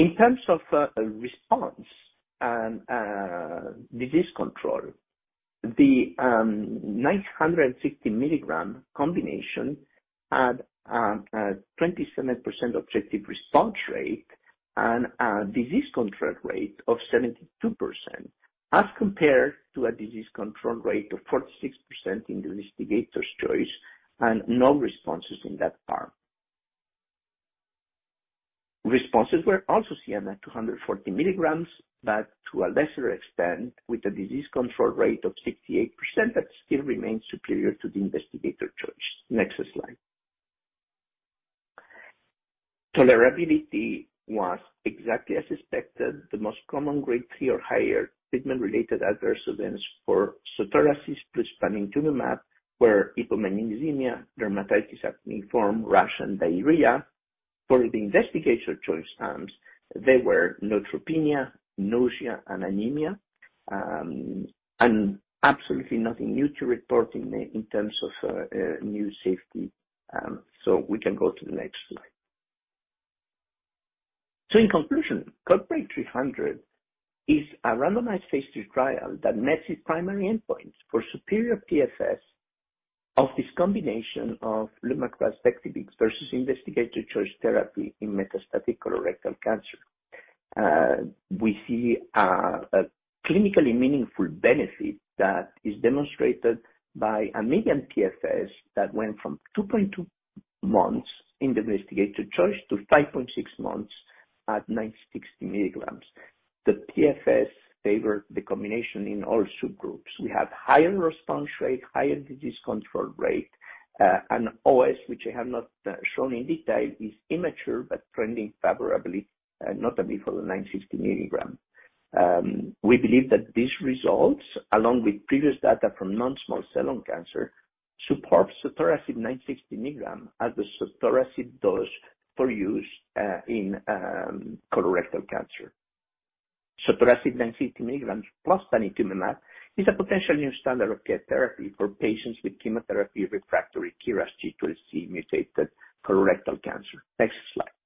In terms of response and disease control, the 960 mg combination had a 27% objective response rate and a disease control rate of 72%, as compared to a disease control rate of 46% in the investigator's choice, and no responses in that arm. Responses were also seen at 240 mg, but to a lesser extent, with a disease control rate of 68%, that still remains superior to the investigator choice. Next slide. Tolerability was exactly as expected, the most common grade three or higher treatment-related adverse events for sotorasib plus panitumumab were hypomagnesemia, acneiform dermatitis, rash and diarrhea. For the investigator choice arms, they were neutropenia, nausea and anemia. And absolutely nothing new to report in terms of new safety. So we can go to the next slide. In conclusion, CodeBreaK 300 is a randomized phase two trial that met its primary endpoint for superior PFS of this combination of LUMAKRAS Tecentriq versus investigator choice therapy in metastatic colorectal cancer. We see a clinically meaningful benefit that is demonstrated by a median PFS that went from 2.2 months in the investigator choice to 5.6 months at 960 mg. The PFS favored the combination in all subgroups. We have higher response rate, higher disease control rate, and OS, which I have not shown in detail, is immature but trending favorably, notably for the 960 mg. We believe that these results, along with previous data from non-small cell lung cancer, support sotorasib 960 mg as the sotorasib dose for use in colorectal cancer. Sotorasib 960 mg plus panitumumab is a potential new standard of care therapy for patients with chemotherapy refractory KRAS G12C-mutated colorectal cancer. Next slide.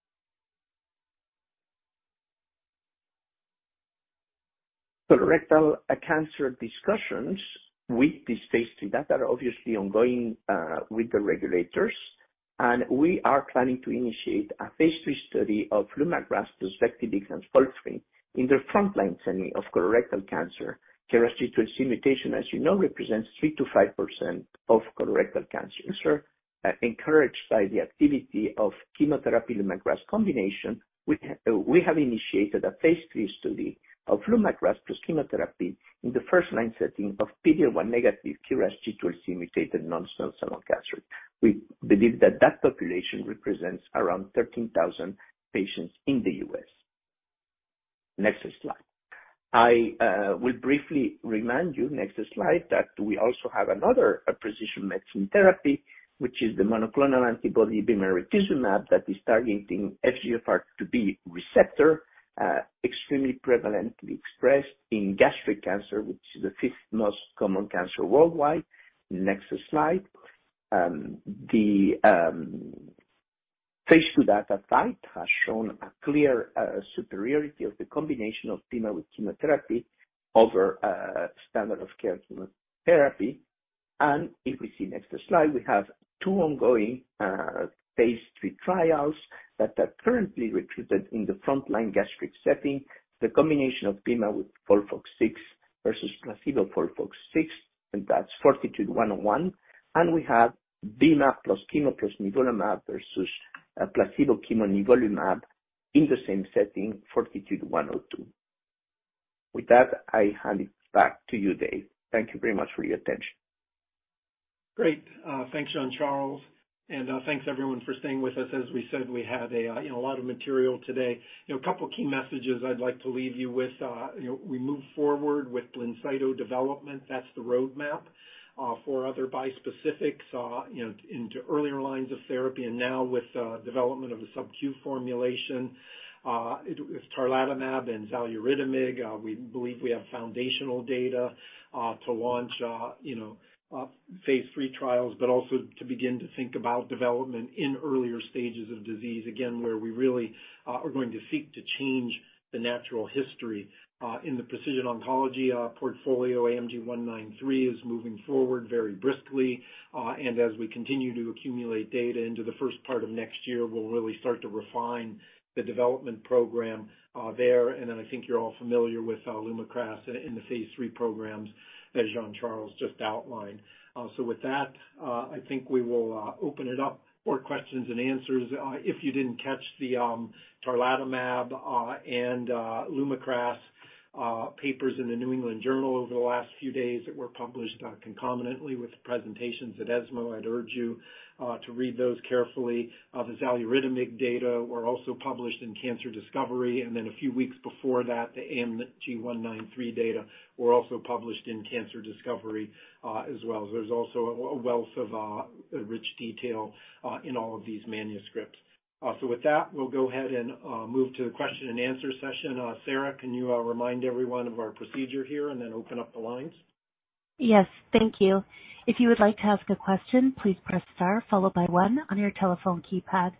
Colorectal cancer discussions with this phase three data are obviously ongoing with the regulators, and we are planning to initiate a phase three study of LUMAKRAS, Tecentriq and FOLFIRI in the frontline setting of colorectal cancer. KRAS G12C mutation, as you know, represents 3% to 5% of colorectal cancer. Encouraged by the activity of chemotherapy LUMAKRAS combination, we have initiated a phase three study of LUMAKRAS plus chemotherapy in the first-line setting of PD-L1 negative KRAS G12C-mutated non-small cell lung cancer. We believe that that population represents around 13,000 patients in the U.S. Next slide. I will briefly remind you, next slide, that we also have another precision medicine therapy, which is the monoclonal antibody bemarituzumab, that is targeting FGFR2b receptor, extremely prevalently expressed in gastric cancer, which is the 5th most common cancer worldwide. Next slide. The phase two dataset has shown a clear superiority of the combination of bema with chemotherapy over standard of care chemotherapy. And if we see next slide, we have two ongoing phase three trials that are currently recruited in the frontline gastric setting. The combination of bema with FOLFOX6 versus placebo FOLFOX6, and that's FORTITUDE-101, and we have bema plus chemo plus nivolumab versus placebo chemo nivolumab in the same setting, FORTITUDE-102. With that, I hand it back to you, Dave. Thank you very much for your attention. Great. Thanks, Jean-Charles, and thanks everyone for staying with us. As we said, we had a, you know, a lot of material today. You know, a couple key messages I'd like to leave you with. You know, we move forward with BLINCYTO development that's the roadmap for other bispecifics, you know, into earlier lines of therapy, and now with development of the subQ formulation. With Tarlatamab and Xaluritamig, we believe we have foundational data to launch, you know, phase three trials, but also to begin to think about development in earlier stages of disease. Again, where we really are going to seek to change the natural history in the precision oncology portfolio. AMG 193 is moving forward very briskly, and as we continue to accumulate data into the first part of next year, we'll really start to refine the development program there and then I think you're all familiar with LUMAKRAS in the phase three programs that Jean-Charles just outlined. With that, I think we will open it up for questions and answers. If you didn't catch the Tarlatamab and LUMAKRAS papers in the New England Journal over the last few days that were published concomitantly with the presentations at ESMO, I'd urge you to read those carefully. The Xaluritamig data were also published in Cancer Discovery, and then a few weeks before that, the AMG 193 data were also published in Cancer Discovery as well. There's also a wealth of rich detail in all of these manuscripts. So with that, we'll go ahead and move to the question and answer session. Sarah, can you remind everyone of our procedure here and then open up the lines? Yes, thank you. If you would like to ask a question, please press star followed by one on your telephone keypad.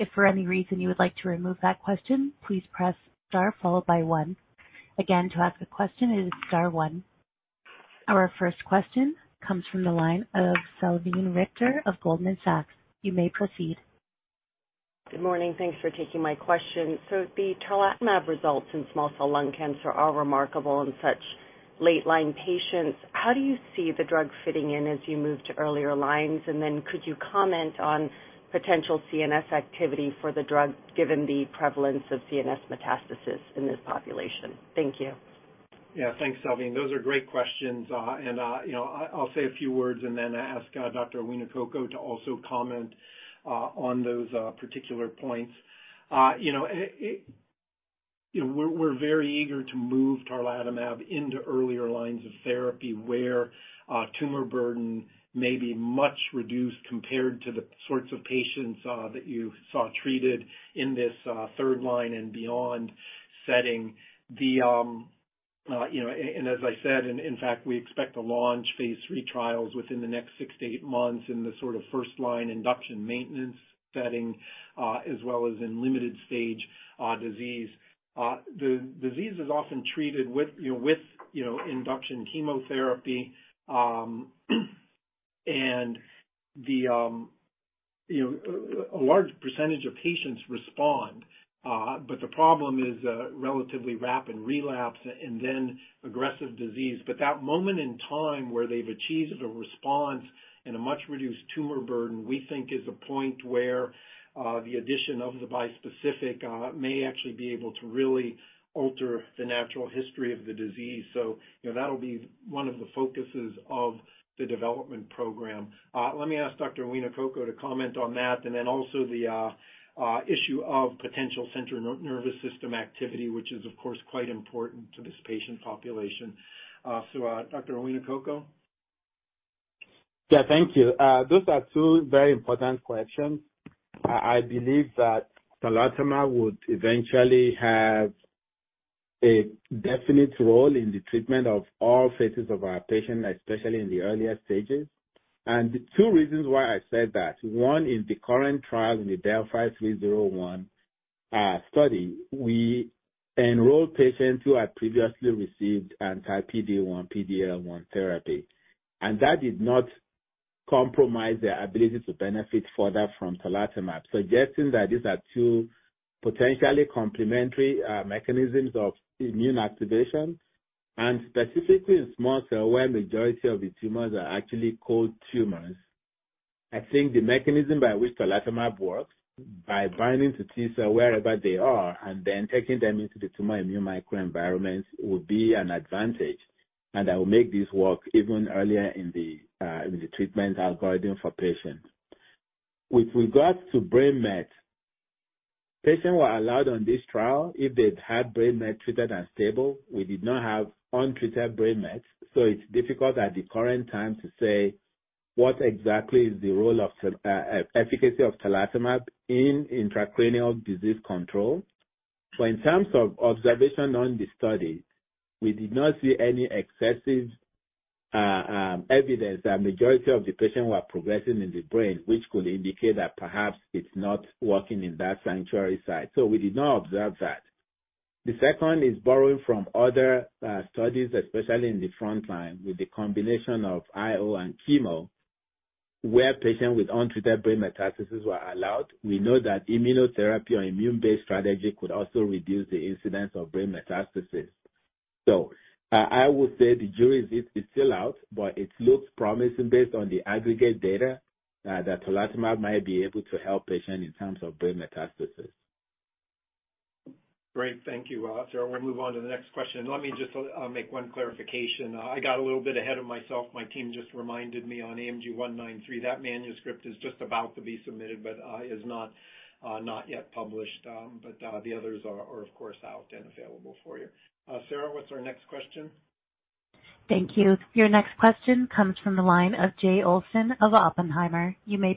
If for any reason you would like to remove that question, please press star followed by one. Again, to ask a question, it is star one. Our first question comes from the line of Salveen Richter of Goldman Sachs. You may proceed. Good morning. Thanks for taking my question. The Tarlatamab results in small cell lung cancer are remarkable in such late line patients. How do you see the drug fitting in as you move to earlier lines? And then could you comment on potential CNS activity for the drug, given the prevalence of CNS metastasis in this population? Thank you. Yeah, thanks, Salveen. Those are great questions. You know, I, I'll say a few words and then ask Dr. Owonikoko to also comment on those particular points. You know, we're, we're very eager to move Tarlatamab into earlier lines of therapy, where tumor burden may be much reduced compared to the sorts of patients that you saw treated in this third line and beyond setting. As I said, and in fact, we expect to launch phase three trials within the next six to eight months in the sort of first line induction maintenance setting, as well as in limited stage disease. The disease is often treated with you know, induction chemotherapy. You know, a large percentage of patients respond, but the problem is a relatively rapid relapse and then aggressive disease but that moment in time where they've achieved a response and a much-reduced tumor burden, we think is a point where, the addition of the bispecific, may actually be able to really alter the natural history of the disease. You know, that'll be one of the focuses of the development program. Let me ask Dr. Owonikoko to comment on that, and then also the, issue of potential central nervous system activity, which is, of course, quite important to this patient population. So, Dr. Owonikoko? Yeah, thank you. Those are two very important questions. I believe that Tarlatamab would eventually have a definite role in the treatment of all phases of our patient, especially in the earlier stages. And the two reasons why I said that, one is the current trial in the DeLLphi-301 study. We enrolled patients who had previously received anti-PD-1, PD-L1 therapy, and that did not compromise their ability to benefit further from Tarlatamab, suggesting that these are two potentially complementary mechanisms of immune activation. Specifically in small cell, where majority of the tumors are actually cold tumors, I think the mechanism by which Tarlatamab works, by binding to T cell wherever they are, and then taking them into the tumor immune microenvironment, will be an advantage. And I will make this work even earlier in the, in the treatment algorithm for patients. With regards to brain mets, patients were allowed on this trial if they'd had brain mets treated and stable. We did not have untreated brain mets, so it's difficult at the current time to say what exactly is the role of, efficacy of Tarlatamab in intracranial disease control. So in terms of observation on the study, we did not see any excessive, evidence that majority of the patients were progressing in the brain, which could indicate that perhaps it's not working in that sanctuary site so we did not observe that. The second is borrowing from other studies, especially in the front line, with the combination of IO and chemo, where patients with untreated brain metastases were allowed. We know that immunotherapy or immune-based strategy could also reduce the incidence of brain metastases. I would say the jury is still out, but it looks promising based on the aggregate data that Tarlatamab might be able to help patients in terms of brain metastases. Great. Thank you, Sarah. We'll move on to the next question. Let me just make one clarification. I got a little bit ahead of myself. My team just reminded me on AMG 193, that manuscript is just about to be submitted, but is not yet published. But the others are of course out and available for you. Sarah, what's our next question? Thank you. Your next question comes from the line of Jay Olsen of Oppenheimer. You may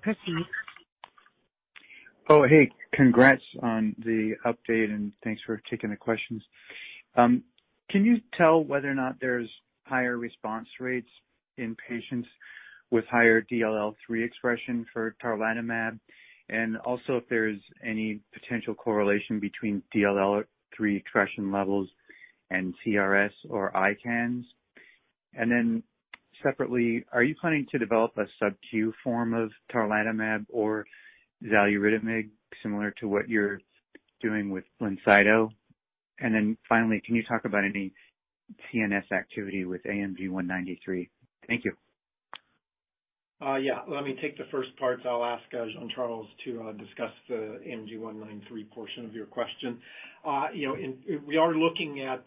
proceed. Oh, hey, congrats on the update, and thanks for taking the questions. Can you tell whether or not there's higher response rates in patients with higher DLL3 expression for Tarlatamab? Also, if there's any potential correlation between DLL3 expression levels and CRS or ICANS? Separately, are you planning to develop a subQ form of Tarlatamab or Xaluritamig, similar to what you're doing with BLINCYTO? Finally, can you talk about any CNS activity with AMG 193? Thank you. Yeah. Let me take the first part. I'll ask Jean-Charles to discuss the AMG 193 portion of your question. You know, and we are looking at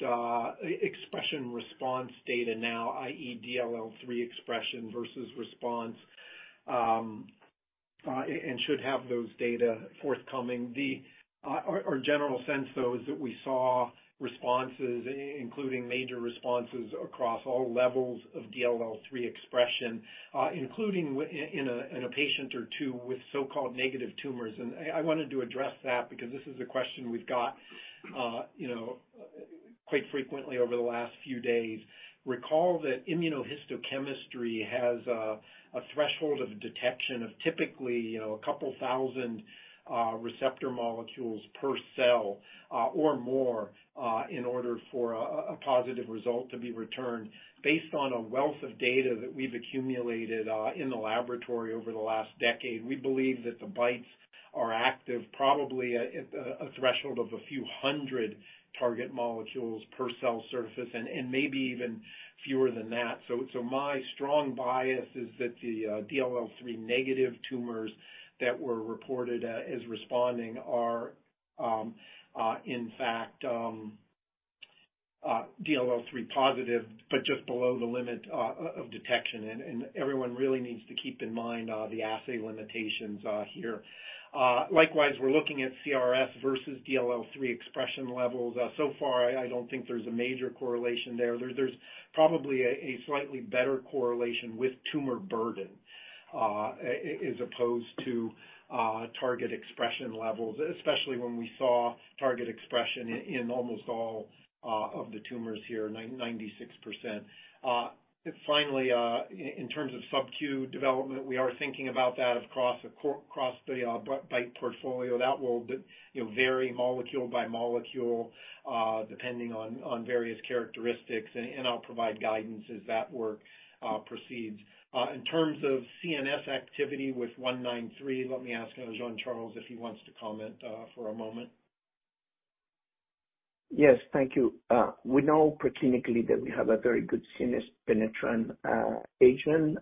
expression response data now, i.e., DLL3 expression versus response, and should have those data forthcoming. Our general sense, though, is that we saw responses, including major responses, across all levels of DLL3 expression, including in a patient or two with so-called negative tumors and I wanted to address that because this is a question we've got, you know, quite frequently over the last few days. Recall that immunohistochemistry has a threshold of detection of typically, you know, a couple thousand receptor molecules per cell, or more, in order for a positive result to be returned. Based on a wealth of data that we've accumulated in the laboratory over the last decade, we believe that the BiTEs are active, probably at a threshold of a few hundred target molecules per cell surface, and maybe even fewer than that. My strong bias is that the DLL3-negative tumors that were reported as responding are in fact DLL3-positive, but just below the limit of detection and everyone really needs to keep in mind the assay limitations here. Likewise, we're looking at CRS versus DLL3 expression levels so far, I don't think there's a major correlation there. There's probably a slightly better correlation with tumor burden, as opposed to target expression levels, especially when we saw target expression in almost all of the tumors here, 96%. Finally, in terms of subQ development, we are thinking about that across the BiTE portfolio that will, you know, vary molecule by molecule, depending on various characteristics, and I'll provide guidance as that work proceeds. In terms of CNS activity with 193, let me ask Jean-Charles if he wants to comment for a moment. Yes, thank you. We know preclinically that we have a very good CNS penetrant, agent.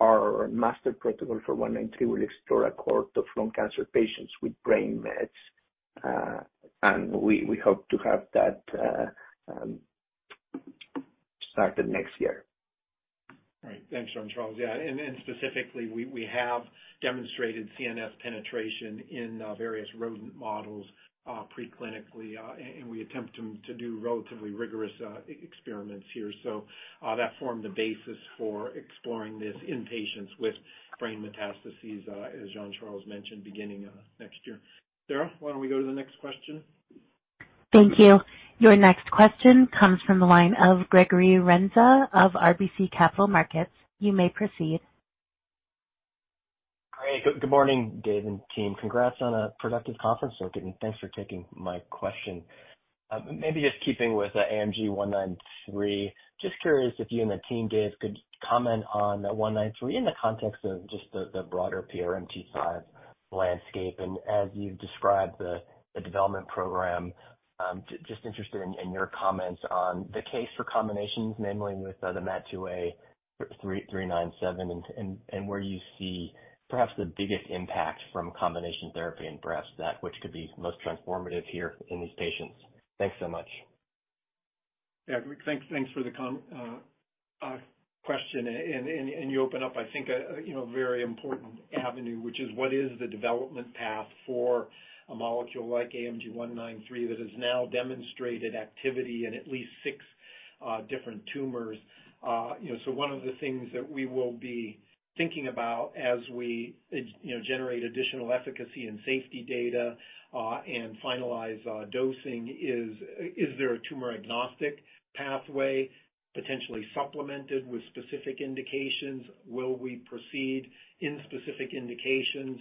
Our master protocol for 193 will explore a cohort of lung cancer patients with brain mets. We hope to have that started next year. Great. Thanks, Jean-Charles. Yeah, and specifically, we have demonstrated CNS penetration in various rodent models, preclinically, and we attempt to do relatively rigorous experiments here. That formed the basis for exploring this in patients with brain metastases, as Jean-Charles mentioned, beginning next year. Sarah, why don't we go to the next question? Thank you. Your next question comes from the line of Gregory Renza of RBC Capital Markets. You may proceed. Great. Good, good morning, Dave and team. Congrats on a productive conference circuit, and thanks for taking my question. Maybe just keeping with AMG 193, just curious if you and the team, Dave, could comment on the 193 in the context of just the broader PRMT5 landscape and as you've described the development program, just interested in your comments on the case for combinations, namely with the MTAP, IDE397 and where you see perhaps the biggest impact from combination therapy and perhaps that which could be most transformative here in these patients. Thanks so much. Yeah, thanks. Thanks for the comment or question. And you open up, I think, a you know, very important avenue, which is what is the development path for a molecule like AMG 193 that has now demonstrated activity in at least six different tumors. You know, so one of the things that we will be thinking about as we, you know, generate additional efficacy and safety data and finalize dosing is there a tumor-agnostic pathway potentially supplemented with specific indications? Will we proceed in specific indications?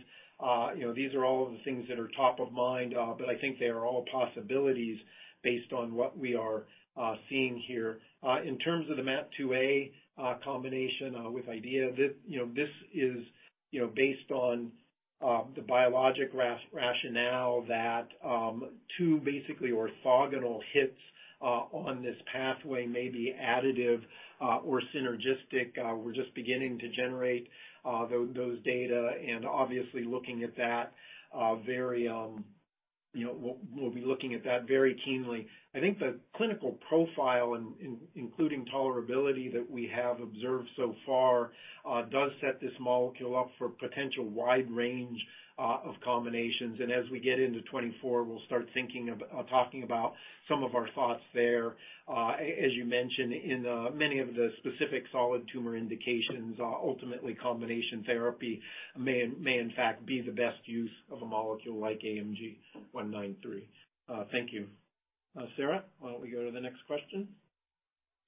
You know, these are all of the things that are top of mind, but I think they are all possibilities based on what we are seeing here. In terms of the MAT2A combination with IDE397, this, you know, this is, you know, based on the biologic rationale that two basically orthogonal hits on this pathway may be additive or synergistic. We're just beginning to generate those data and obviously looking at that very, you know, we'll be looking at that very keenly. I think the clinical profile, including tolerability that we have observed so far, does set this molecule up for potential wide range of combinations. As we get into 2024, we'll start thinking of talking about some of our thoughts there. As you mentioned, in many of the specific solid tumor indications, ultimately, combination therapy may in fact be the best use of a molecule like AMG 193. Thank you. Sarah, why don't we go to the next question?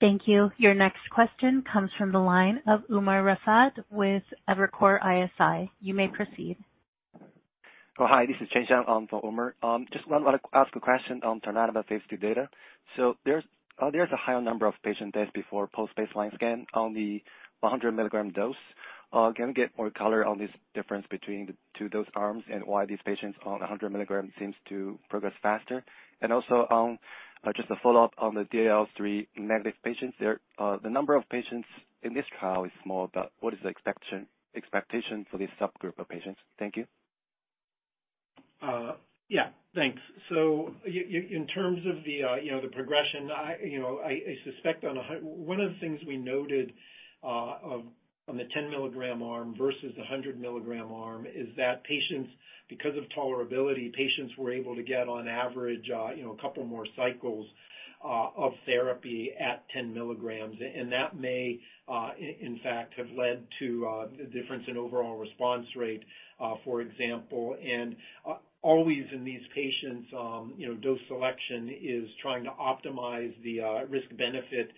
Thank you. Your next question comes from the line of Umar Raffat with Evercore ISI. You may proceed. Oh, hi, this is Chen Shan, for Umar. Just want to ask a question on Tarlatamab phase two data. There's a higher number of patient deaths before post-baseline scan on the 100 mg dose. Can we get more color on this difference between the two, those arms, and why these patients on 100 mg seems to progress faster? And also, just a follow-up on the DLL3-negative patients there. The number of patients in this trial is small, but what is the expectation for this subgroup of patients? Thank you. Yeah, thanks. So in terms of the, you know, the progression, I, you know, I suspect on a... One of the things we noted on the 10-mg arm versus the 100-mg arm is that patients, because of tolerability, patients were able to get on average, you know, a couple more cycles of therapy at 10 mg. And that may in fact have led to the difference in overall response rate, for example. And always in these patients, you know, dose selection is trying to optimize the risk-benefit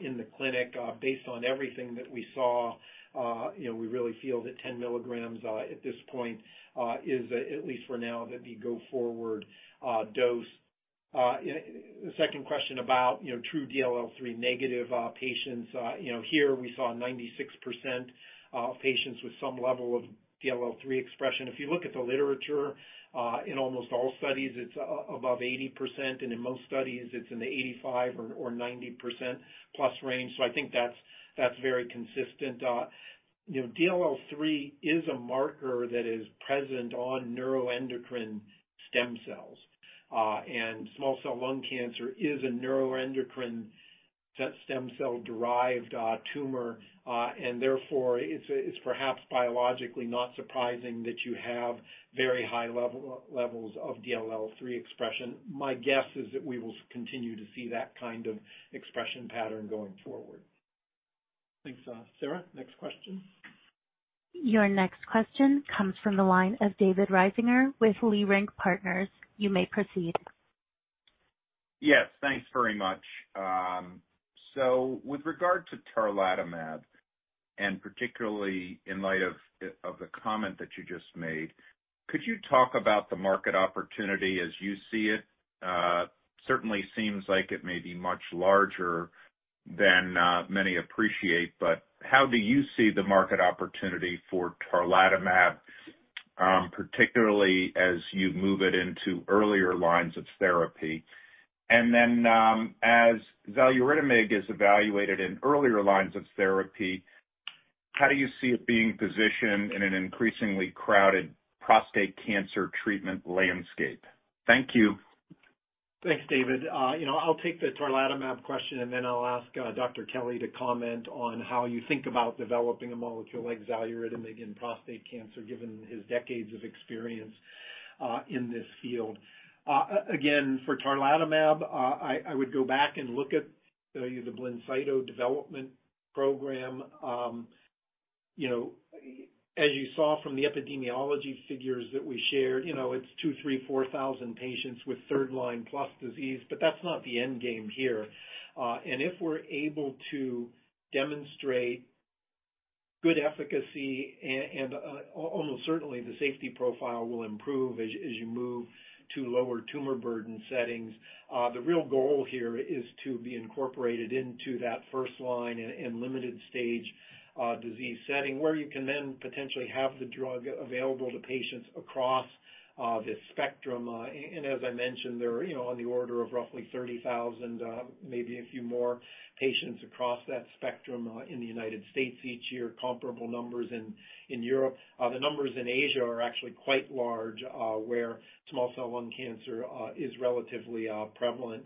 in the clinic. Based on everything that we saw, you know, we really feel that 10 mg at this point is at least for now, the go-forward dose. The second question about, you know, true DLL3 negative patients. You know, here we saw 96% patients with some level of DLL3 expression. If you look at the literature, in almost all studies, it's above 80%, and in most studies, it's in the 85 or 90% plus range. So I think that's very consistent. You know, DLL3 is a marker that is present on neuroendocrine stem cells, and small cell lung cancer is a neuroendocrine stem cell-derived tumor. Therefore, it's perhaps biologically not surprising that you have very high levels of DLL3 expression. My guess is that we will continue to see that kind of expression pattern going forward. Thanks, Sarah. Next question. Your next question comes from the line of David Risinger with Leerink Partners. You may proceed. Yes, thanks very much. With regard to Tarlatamab, and particularly in light of the comment that you just made, could you talk about the market opportunity as you see it? Certainly seems like it may be much larger than many appreciate, but how do you see the market opportunity for Tarlatamab, particularly as you move it into earlier lines of therapy? And then, as Xaluritamig is evaluated in earlier lines of therapy, how do you see it being positioned in an increasingly crowded prostate cancer treatment landscape? Thank you. Thanks, David. You know, I'll take the Tarlatamab question, and then I'll ask Dr. Kelly to comment on how you think about developing a molecule like Xaluritamig in prostate cancer, given his decades of experience in this field. Again, for Tarlatamab, I would go back and look at the BLINCYTO development program. You know, as you saw from the epidemiology figures that we shared, you know, it's 2,000 to 4,000 patients with third-line-plus disease, but that's not the end game here. And if we're able to demonstrate good efficacy and almost certainly the safety profile will improve as you move to lower tumor burden settings. The real goal here is to be incorporated into that first line and, and limited stage, disease setting, where you can then potentially have the drug available to patients across, this spectrum. And, and as I mentioned, there are, you know, on the order of roughly 30,000, maybe a few more patients across that spectrum, in the United States each year, comparable numbers in, in Europe. The numbers in Asia are actually quite large, where small cell lung cancer is relatively, prevalent.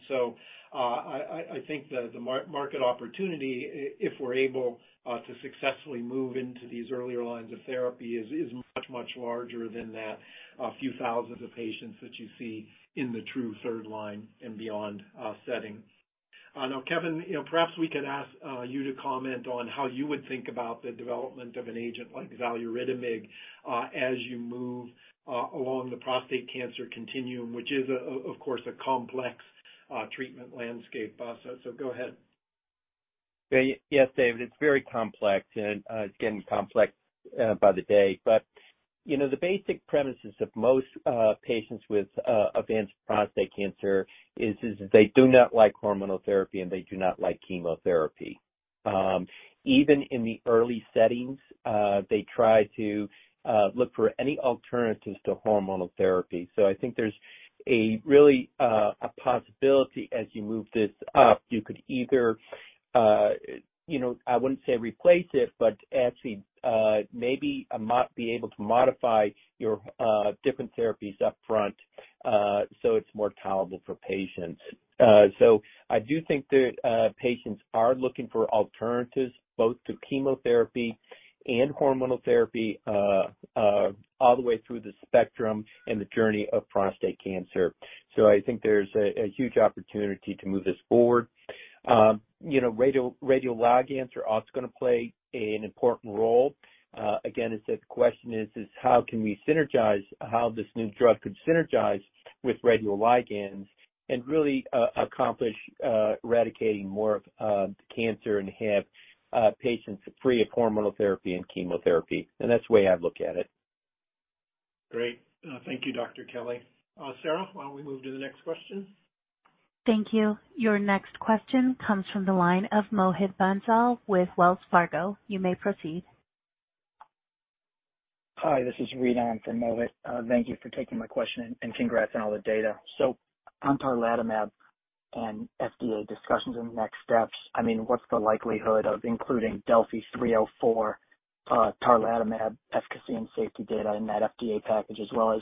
I think the, the market opportunity if we're able, to successfully move into these earlier lines of therapy is, much, much larger than that, few thousands of patients that you see in the true third line and beyond, setting. Now, Kevin, you know, perhaps we could ask you to comment on how you would think about the development of an agent like Xaluritamig, as you move along the prostate cancer continuum, which is, of course, a complex treatment landscape. Go ahead. Yeah. Yes, David, it's very complex, and it's getting complex by the day. But, you know, the basic premises of most patients with advanced prostate cancer is, is they do not like hormonal therapy, and they do not like chemotherapy. Even in the early settings, they try to look for any alternatives to hormonal therapy so I think there's a really a possibility as you move this up, you could either, you know, I wouldn't say replace it, but actually, maybe modify your different therapies up front, so it's more tolerable for patients. I do think that patients are looking for alternatives, both to chemotherapy and hormonal therapy, all the way through the spectrum and the journey of prostate cancer. I think there's a huge opportunity to move this forward. You know, radioligands are also gonna play an important role. Again, as the question is, how can we synergize, how this new drug could synergize with radioligands and really accomplish eradicating more of the cancer and have patients free of hormonal therapy and chemotherapy? That's the way I look at it. Great. Thank you, Dr. Kelly. Sarah, why don't we move to the next question? Thank you. Your next question comes from the line of Mohit Bansal with Wells Fargo. You may proceed. Hi, this is Reid Hunt from Mohit. Thank you for taking my question, and congrats on all the data. On Tarlatamab and FDA discussions and next steps, I mean, what's the likelihood of including DeLLphi-304 Tarlatamab efficacy and safety data in that FDA package, as well as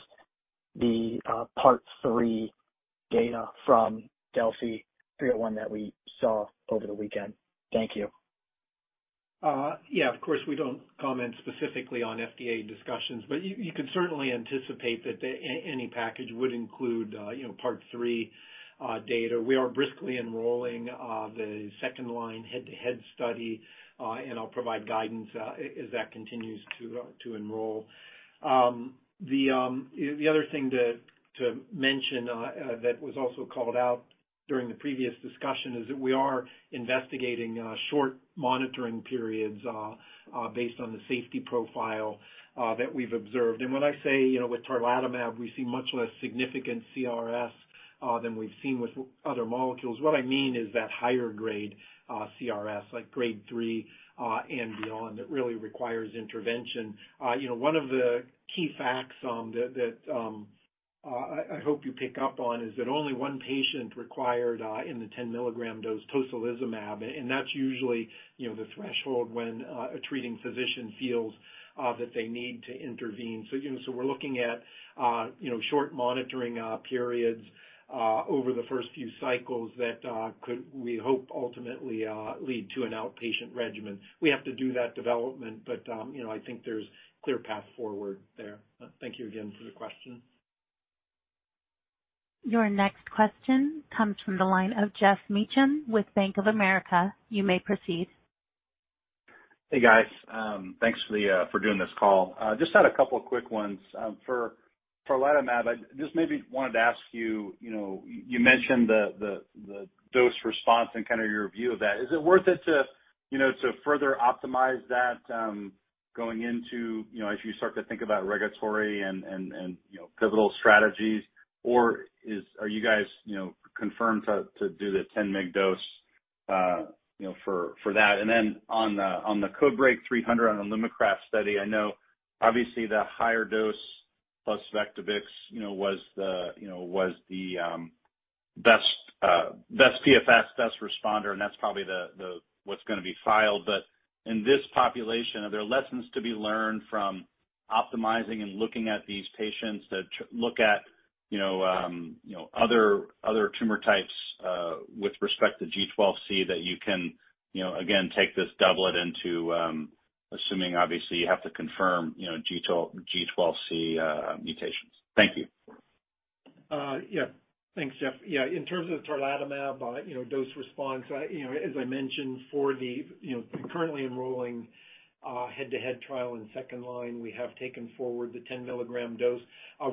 the part three data from DELPHI-301 that we saw over the weekend? Thank you. Yeah, of course, we don't comment specifically on FDA discussions, but you could certainly anticipate that any package would include, you know, Part three data. We are briskly enrolling the second-line head-to-head study, and I'll provide guidance as that continues to enroll. The other thing to mention that was also called out during the previous discussion is that we are investigating short monitoring periods based on the safety profile that we've observed and when I say, you know, with Tarlatamab, we see much less significant CRS than we've seen with other molecules what I mean is that higher grade CRS, like grade three and beyond, really requires intervention. You know, one of the key facts that I hope you pick up on is that only one patient required in the 10-mg dose tocilizumab, and that's usually, you know, the threshold when a treating physician feels that they need to intervene so, you know, so we're looking at you know short monitoring periods over the first few cycles that could, we hope, ultimately lead to an outpatient regimen. We have to do that development, but you know, I think there's clear path forward there. Thank you again for the question. Your next question comes from the line of Geoff Meacham with Bank of America. You may proceed. Hey, guys. Thanks for the, for doing this call. Just had a couple of quick ones. For, for Tarlatamab, I just maybe wanted to ask you, you know, you, you mentioned the, the, the dose response and kind of your view of that is it worth it to, you know, to further optimize that, going into, you know, as you start to think about regulatory and, and, and, you know, pivotal strategies? Are you guys, you know, confirmed to, to do the 10-mg dose, you know, for, for that? And then on the, on the CodeBreaK 300, on the LUMAKRAS study, I know obviously the higher dose plus Vectibix, you know, was the, you know, was the, best, best PFS, best responder, and that's probably the, the what's gonna be filed. In this population, are there lessons to be learned from optimizing and looking at these patients that look at, you know, other, other tumor types, with respect to G12C, that you can, you know, again, take this doublet into, assuming obviously you have to confirm, you know, G12, G12C, mutations? Thank you.... Yeah, thanks, Jeff. Yeah, in terms of Tarlatamab, you know, dose response, you know, as I mentioned, for the, you know, currently enrolling, head-to-head trial in second line, we have taken forward the 10-mg dose.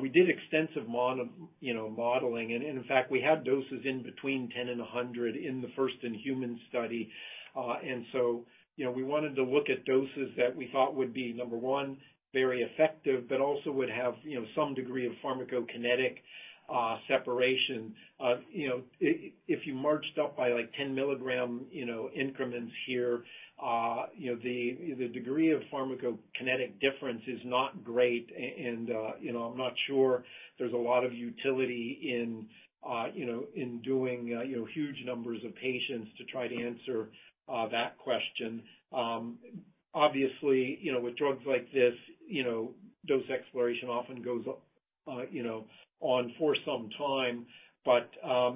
We did extensive modeling, and in fact, we had doses in between 10 and 100 in the first-in-human study. And so, you know, we wanted to look at doses that we thought would be, number one, very effective, but also would have, you know, some degree of pharmacokinetic separation. You know, if you marched up by, like, 10 mg increments here, you know, the degree of pharmacokinetic difference is not great and, you know, I'm not sure there's a lot of utility in, you know, in doing huge numbers of patients to try to answer that question. Obviously, you know, with drugs like this, you know, dose exploration often goes up, you know, on for some time. But,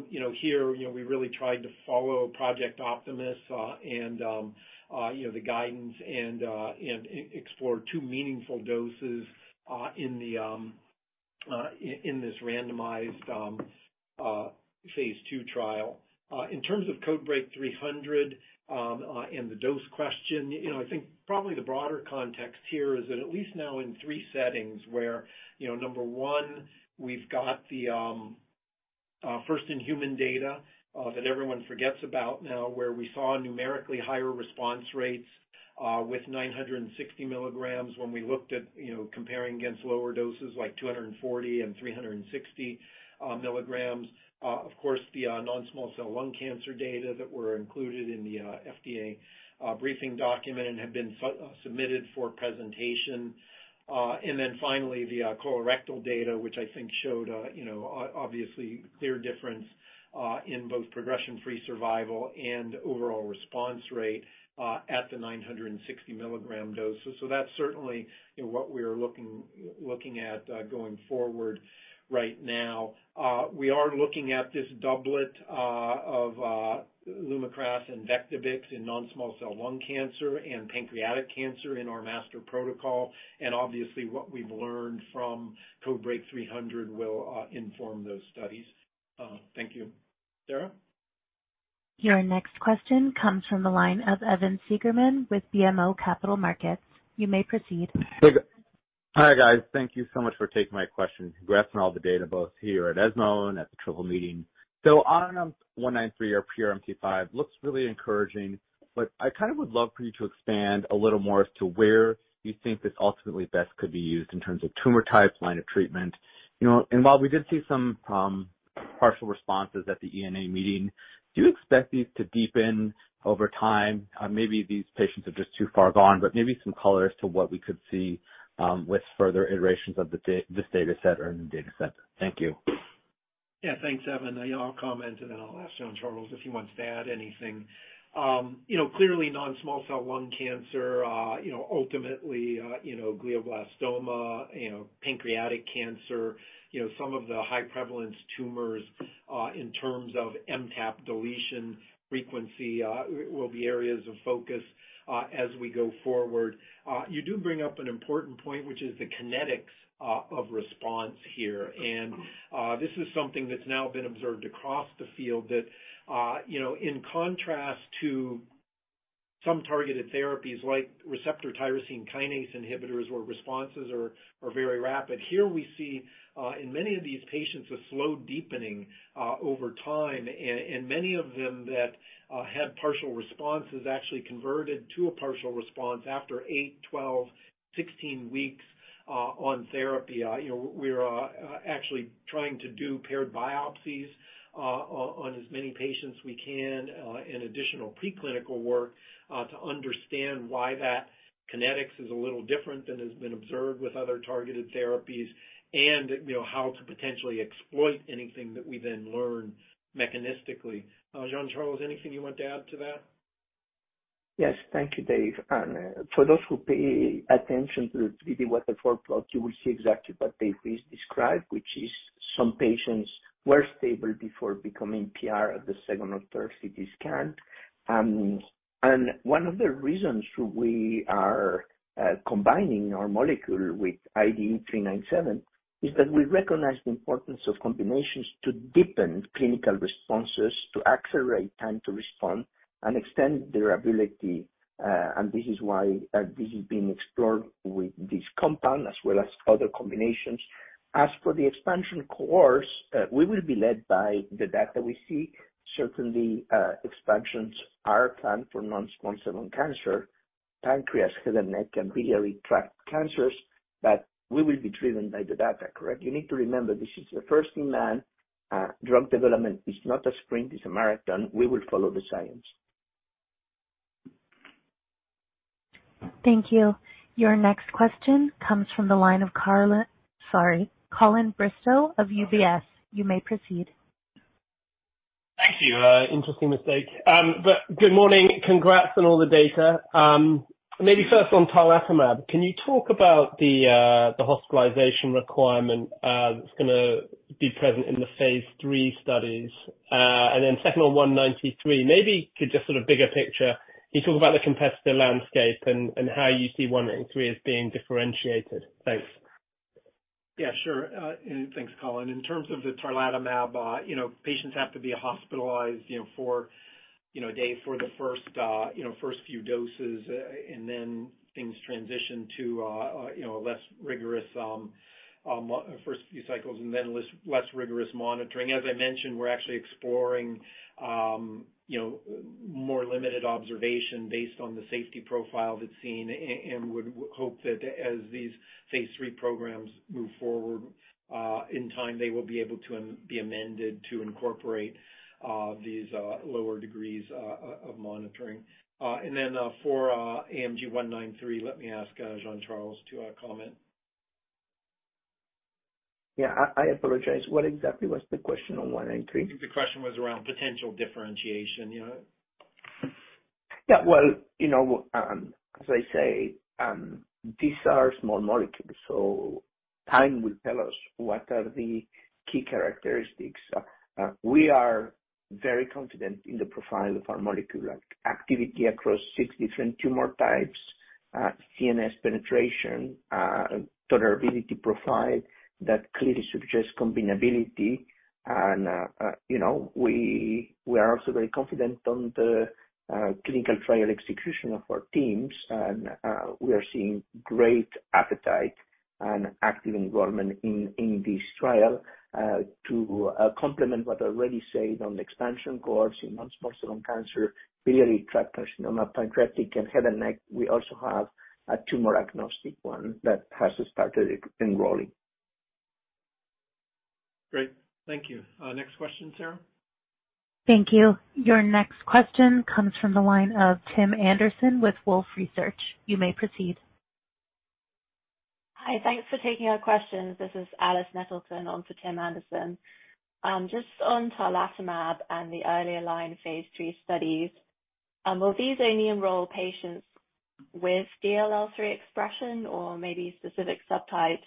you know, here, you know, we really tried to follow Project Optimist and, you know, the guidance and explore two meaningful doses in this randomized phase two trial. In terms of CodeBreaK 300, and the dose question, you know, I think probably the broader context here is that at least now in three settings where, you know, number one, we've got the first-in-human data that everyone forgets about now, where we saw numerically higher response rates with 960 mg when we looked at, you know, comparing against lower doses like 240 mg and 360 mg. Of course, the non-small cell lung cancer data that were included in the FDA briefing document and have been submitted for presentation. Then finally, the colorectal data, which I think showed, you know, obviously clear difference in both progression-free survival and overall response rate at the 960 mg dose. So that's certainly, you know, what we're looking at going forward right now. We are looking at this doublet of LUMAKRAS and Vectibix in non-small cell lung cancer and pancreatic cancer in our master protocol. And obviously, what we've learned from CodeBreaK 300 will inform those studies. Thank you. Sarah? Your next question comes from the line of Evan Segerman with BMO Capital Markets. You may proceed. Hi, guys. Thank you so much for taking my question. Congrats on all the data, both here at ESMO and at the Triple Meeting. So on 193 or PRMT5, looks really encouraging, but I kind of would love for you to expand a little more as to where you think this ultimately best could be used in terms of tumor type, line of treatment. You know, and while we did see some partial responses at the ENA meeting, do you expect these to deepen over time? Maybe these patients are just too far gone, but maybe some color as to what we could see with further iterations of this data set or a new data set. Thank you. Yeah, thanks, Evan. I'll comment, and then I'll ask Jean-Charles if he wants to add anything. You know, clearly, non-small cell lung cancer, you know, ultimately, you know, glioblastoma, you know, pancreatic cancer, you know, some of the high-prevalence tumors, in terms of MTAP deletion frequency, will be areas of focus, as we go forward. You do bring up an important point, which is the kinetics of response here. And, this is something that's now been observed across the field, that, you know, in contrast to some targeted therapies like receptor tyrosine kinase inhibitors, where responses are very rapid. Here we see, in many of these patients, a slow deepening over time, and many of them that had partial responses actually converted to a partial response after 8, 12, 16 weeks on therapy. You know, we're actually trying to do paired biopsies on as many patients we can, and additional preclinical work to understand why that kinetics is a little different than has been observed with other targeted therapies and, you know, how to potentially exploit anything that we then learn mechanistically. Jean-Charles, anything you want to add to that? Yes. Thank you, Dave. And, for those who pay attention to the 3D waterfall plot, you will see exactly what Dave just described, which is some patients were stable before becoming PR at the second or third CT scan. And one of the reasons we are combining our molecule with IDE397 is that we recognize the importance of combinations to deepen clinical responses, to accelerate time to respond and extend durability. And this is why this is being explored with this compound as well as other combinations. As for the expansion course, we will be led by the data we see. Certainly, expansions are planned for non-small cell lung cancer, pancreas, head and neck, and biliary tract cancers, but we will be driven by the data, correct? You need to remember, this is the first in man, drug development is not a sprint, it's a marathon. We will follow the science. Thank you. Your next question comes from the line of Carla... Sorry, Colin Bristol of UBS. You may proceed. Thank you. Interesting mistake. But good morning. Congrats on all the data. Maybe first on Tarlatamab, can you talk about the hospitalization requirement that's gonna be present in the phase three studies? Then second on 193, maybe could just sort of bigger picture, can you talk about the competitive landscape and how you see 193 as being differentiated? Thanks.... Yeah, sure. And thanks, Colin. In terms of the Tarlatamab, you know, patients have to be hospitalized, you know, for, you know, a day for the first, you know, first few doses, and then things transition to, you know, a less rigorous, first few cycles and then less rigorous monitoring as I mentioned, we're actually exploring. You know, more limited observation based on the safety profile that's seen and would hope that as these phase three programs move forward, in time, they will be able to be amended to incorporate these lower degrees of monitoring. And then, for AMG 193, let me ask Jean-Charles to comment. Yeah, I apologize. What exactly was the question on 193? I think the question was around potential differentiation, you know? Yeah, well, you know, as I say, these are small molecules, time will tell us what are the key characteristics. We are very confident in the profile of our molecule, like, activity across six different tumor types, CNS penetration, tolerability profile that clearly suggests combinability. You know, we are also very confident on the clinical trial execution of our teams. We are seeing great appetite and active involvement in this trial, to complement what I already said on the expansion cohorts in non-small cell lung cancer, biliary tract carcinoma, pancreatic, and head and neck we also have a tumor agnostic one that has started enrolling. Great, thank you. Next question, Sarah. Thank you. Your next question comes from the line of Tim Anderson with Wolfe Research. You may proceed. Hi, thanks for taking our questions. This is Alice Nettleton on for Tim Anderson. Just on Tarlatamab and the earlier line phase three studies, will these only enroll patients with DLL3 expression or maybe specific subtypes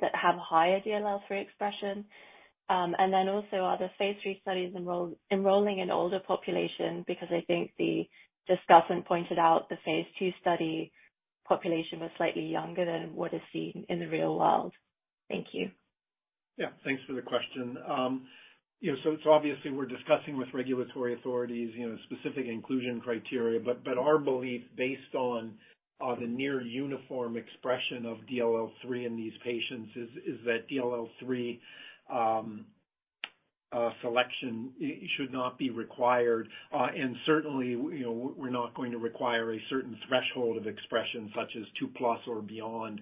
that have higher DLL3 expression? And then also, are the phase three studies enrolling an older population? Because I think the discussant pointed out the phase two study population was slightly younger than what is seen in the real world. Thank you. Yeah, thanks for the question. You know, so obviously we're discussing with regulatory authorities, you know, specific inclusion criteria, but our belief, based on the near uniform expression of DLL3 in these patients, is that DLL3 selection should not be required. And certainly, you know, we're not going to require a certain threshold of expression, such as 2+ or beyond,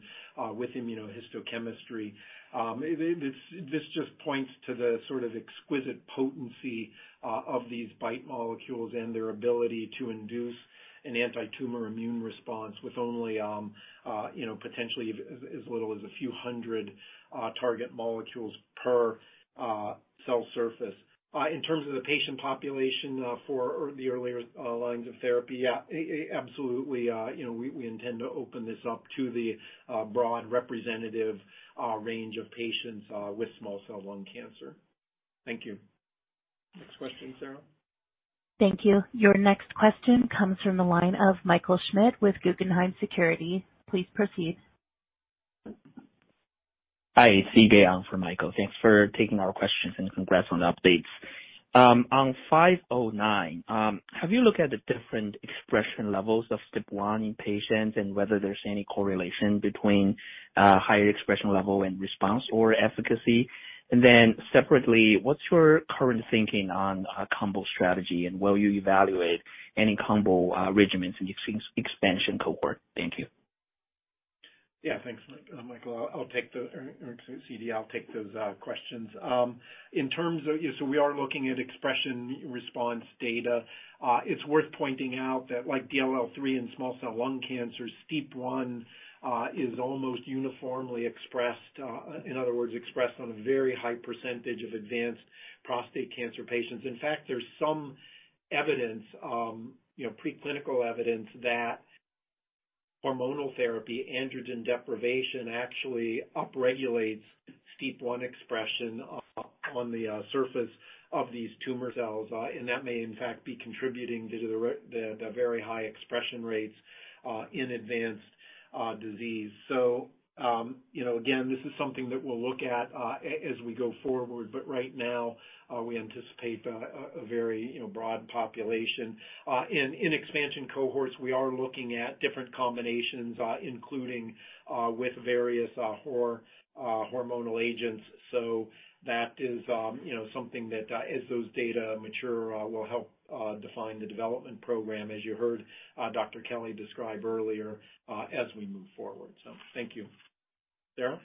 with immunohistochemistry. This just points to the sort of exquisite potency of these BiTE molecules and their ability to induce an anti-tumor immune response with only, you know, potentially as little as a few hundred target molecules per cell surface. In terms of the patient population, for the earlier lines of therapy, yeah, absolutely, you know, we intend to open this up to the broad representative range of patients with small cell lung cancer. Thank you. Next question, Sarah. Thank you. Your next question comes from the line of Michael Schmidt with Guggenheim Securities. Please proceed. Hi, it's Sidi on for Michael. Thanks for taking our questions, and congrats on the updates. On AMG 509, have you looked at the different expression levels of STEAP1 in patients and whether there's any correlation between higher expression level and response or efficacy? And then separately, what's your current thinking on a combo strategy, and will you evaluate any combo regimens in expansion cohort? Thank you. Yeah, thanks, Michael. I'll take those questions. In terms of, so we are looking at expression response data. It's worth pointing out that like DLL3 in small cell lung cancer, STEAP1 is almost uniformly expressed, in other words, expressed on a very high percentage of advanced prostate cancer patients in fact, there's some evidence, you know, preclinical evidence that hormonal therapy, androgen deprivation, actually upregulates STEAP1 expression on the surface of these tumor cells. And that may in fact be contributing due to the very high expression rates in advanced disease. You know, again, this is something that we'll look at as we go forward, but right now, we anticipate a very, you know, broad population. In expansion cohorts, we are looking at different combinations, including with various hormonal agents. That is, you know, something that as those data mature will help define the development program, as you heard Dr. Kelly describe earlier, as we move forward. So thank you. Sarah?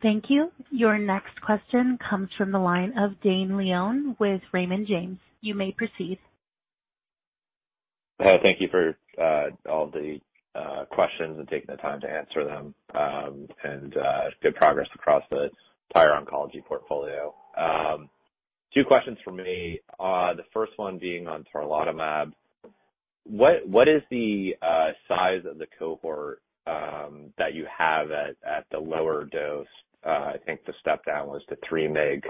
Thank you. Your next question comes from the line of Dane Leone with Raymond James. You may proceed. Hello, thank you for all the questions and taking the time to answer them, and good progress across the entire oncology portfolio. Two questions from me. The first one being on Tarlatamab. What is the size of the cohort that you have at the lower dose?... I think the step-down was to 3 mg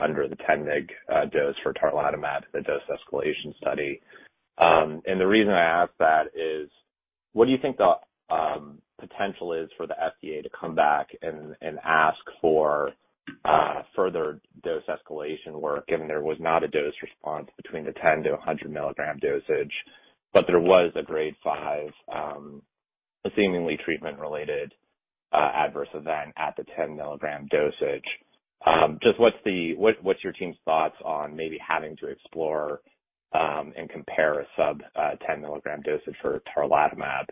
under the 10 mg dose for Tarlatamab, the dose escalation study. The reason I ask that is: what do you think the potential is for the FDA to come back and ask for further dose escalation work, given there was not a dose response between the 10-100 mg dosage, but there was a grade five seemingly treatment-related adverse event at the 10-mg dosage? Just what's your team's thoughts on maybe having to explore and compare a sub-10-mg dosage for Tarlatamab?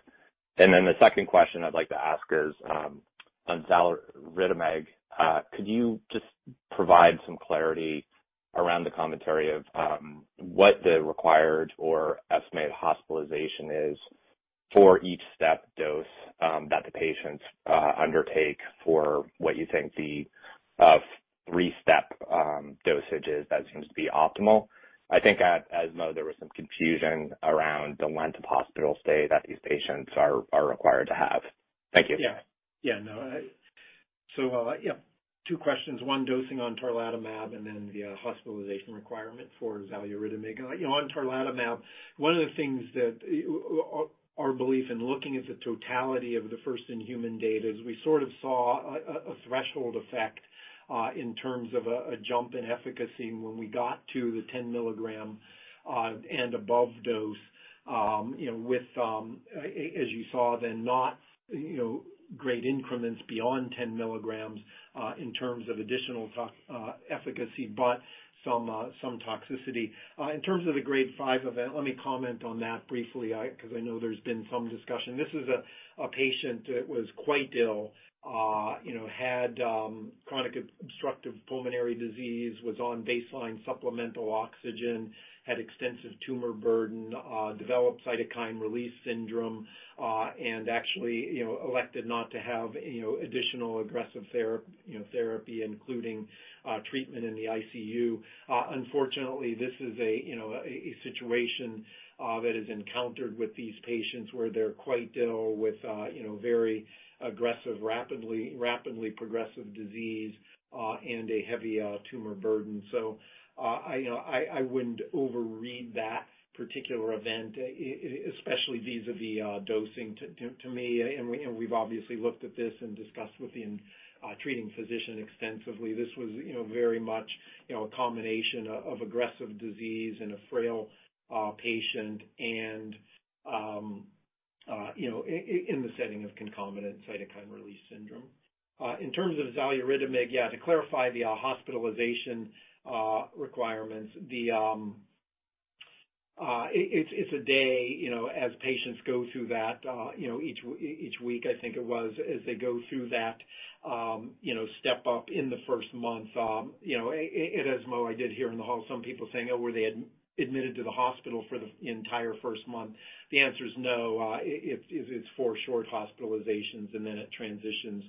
Then the second question I'd like to ask is, on Xaluritamig. Could you just provide some clarity around the commentary of what the required or estimated hospitalization is for each step dose that the patients undertake for what you think the three-step dosage is that seems to be optimal? I think at ESMO, there was some confusion around the length of hospital stay that these patients are required to have. Thank you. Yeah, two question one, dosing on Tarlatamab, and then the hospitalization requirement for Xaluritamig. You know, on Tarlatamab, one of the things that our belief in looking at the totality of the first-in-human data is we sort of saw a threshold effect in terms of a jump in efficacy when we got to the 10 mg and above dose. You know, with as you saw, then not, you know, great increments beyond 10 mg in terms of additional efficacy, but some toxicity. In terms of the Grade five event, let me comment on that briefly, 'cause I know there's been some discussion. This is a patient that was quite ill, you know, had chronic obstructive pulmonary disease, was on baseline supplemental oxygen, had extensive tumor burden, developed cytokine release syndrome, and actually, you know, elected not to have, you know, additional aggressive therapy, including treatment in the ICU. Unfortunately, this is a, you know, situation that is encountered with these patients, where they're quite ill with, you know, very aggressive, rapidly progressive disease, and a heavy tumor burden. I wouldn't overread that particular event, especially vis-a-vis dosing. To me, and we've obviously looked at this and discussed with the treating physician extensively this was, you know, very much, you know, a combination of aggressive disease and a frail patient and, you know, in the setting of concomitant cytokine release syndrome. In terms of Xaluritamig, yeah, to clarify the hospitalization requirements, it's a day, you know, as patients go through that, you know, each week, I think it was, as they go through that, you know, step up in the first month, you know at ESMO, I did hear in the hall some people saying, oh, were they admitted to the hospital for the entire first month? The answer is no. It's four short hospitalizations, and then it transitions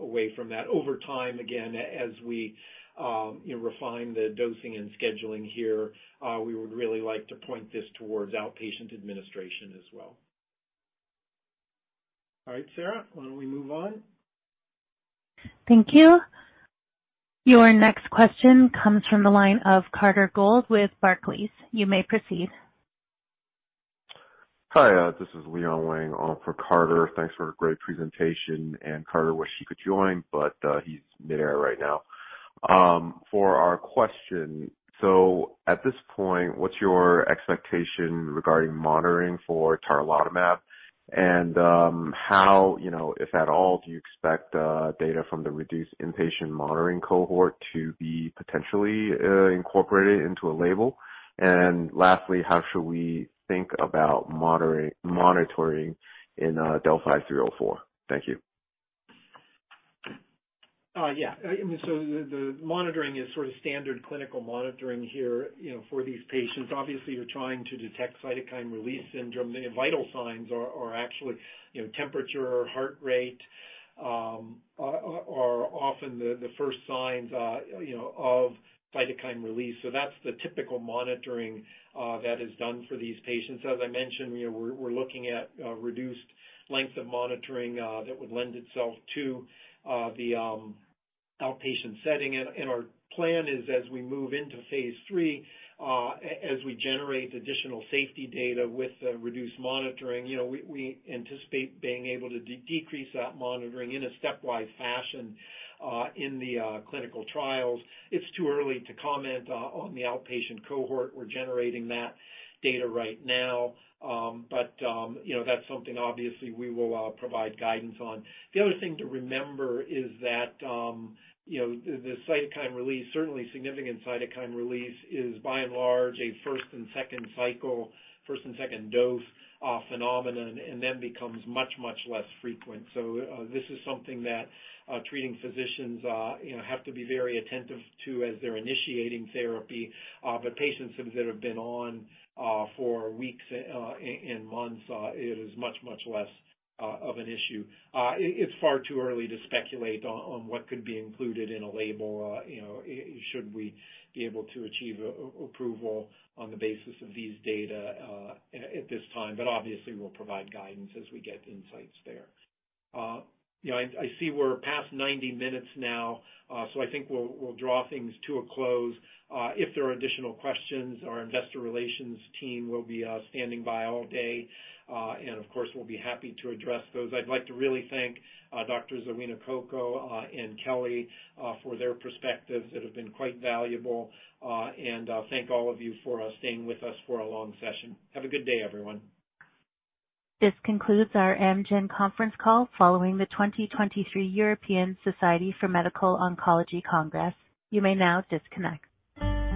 away from that. Over time, again, as we, you know, refine the dosing and scheduling here, we would really like to point this towards outpatient administration as well. All right, Sarah, why don't we move on? Thank you. Your next question comes from the line of Carter Gold with Barclays. You may proceed. Hi, this is Leon Wang, on for Carter. Thanks for a great presentation, and Carter wished he could join, but, he's midair right now. For our question, so at this point, what's your expectation regarding monitoring for Tarlatamab? And, how, you know, if at all, do you expect, data from the reduced inpatient monitoring cohort to be potentially, incorporated into a label? And lastly, how should we think about monitoring in, DELPHI 304? Thank you. Yeah. I mean, so the monitoring is sort of standard clinical monitoring here, you know, for these patients. Obviously, you're trying to detect cytokine release syndrome. The vital signs are actually, you know, temperature, heart rate, are often the first signs, you know, of cytokine release. So that's the typical monitoring that is done for these patients as I mentioned, you know, we're looking at reduced length of monitoring that would lend itself to the outpatient setting. Our plan is as we move into phase three. As we generate additional safety data with the reduced monitoring, you know, we anticipate being able to decrease that monitoring in a stepwise fashion in the clinical trials. It's too early to comment on the outpatient cohort we're generating that data right now. But you know, that's something obviously we will provide guidance on. The other thing to remember is that you know, the cytokine release, certainly significant cytokine release, is by and large a first and second cycle, first and second dose phenomenon, and then becomes much, much less frequent. So this is something that treating physicians you know have to be very attentive to as they're initiating therapy. But patients that have been on for weeks and months it is much, much less of an issue. It's far too early to speculate on what could be included in a label you know should we be able to achieve an approval on the basis of these data at this time. But obviously, we'll provide guidance as we get insights there. You know, I see we're past 90 minutes now, so I think we'll draw things to a close. If there are additional questions, our investor relations team will be standing by all day, and of course, we'll be happy to address those. I'd like to really thank Doctors Owonikoko and Kelly for their perspectives. It has been quite valuable, and thank all of you for staying with us for a long session. Have a good day, everyone. This concludes our Amgen conference call following the 2023 European Society for Medical Oncology Congress. You may now disconnect.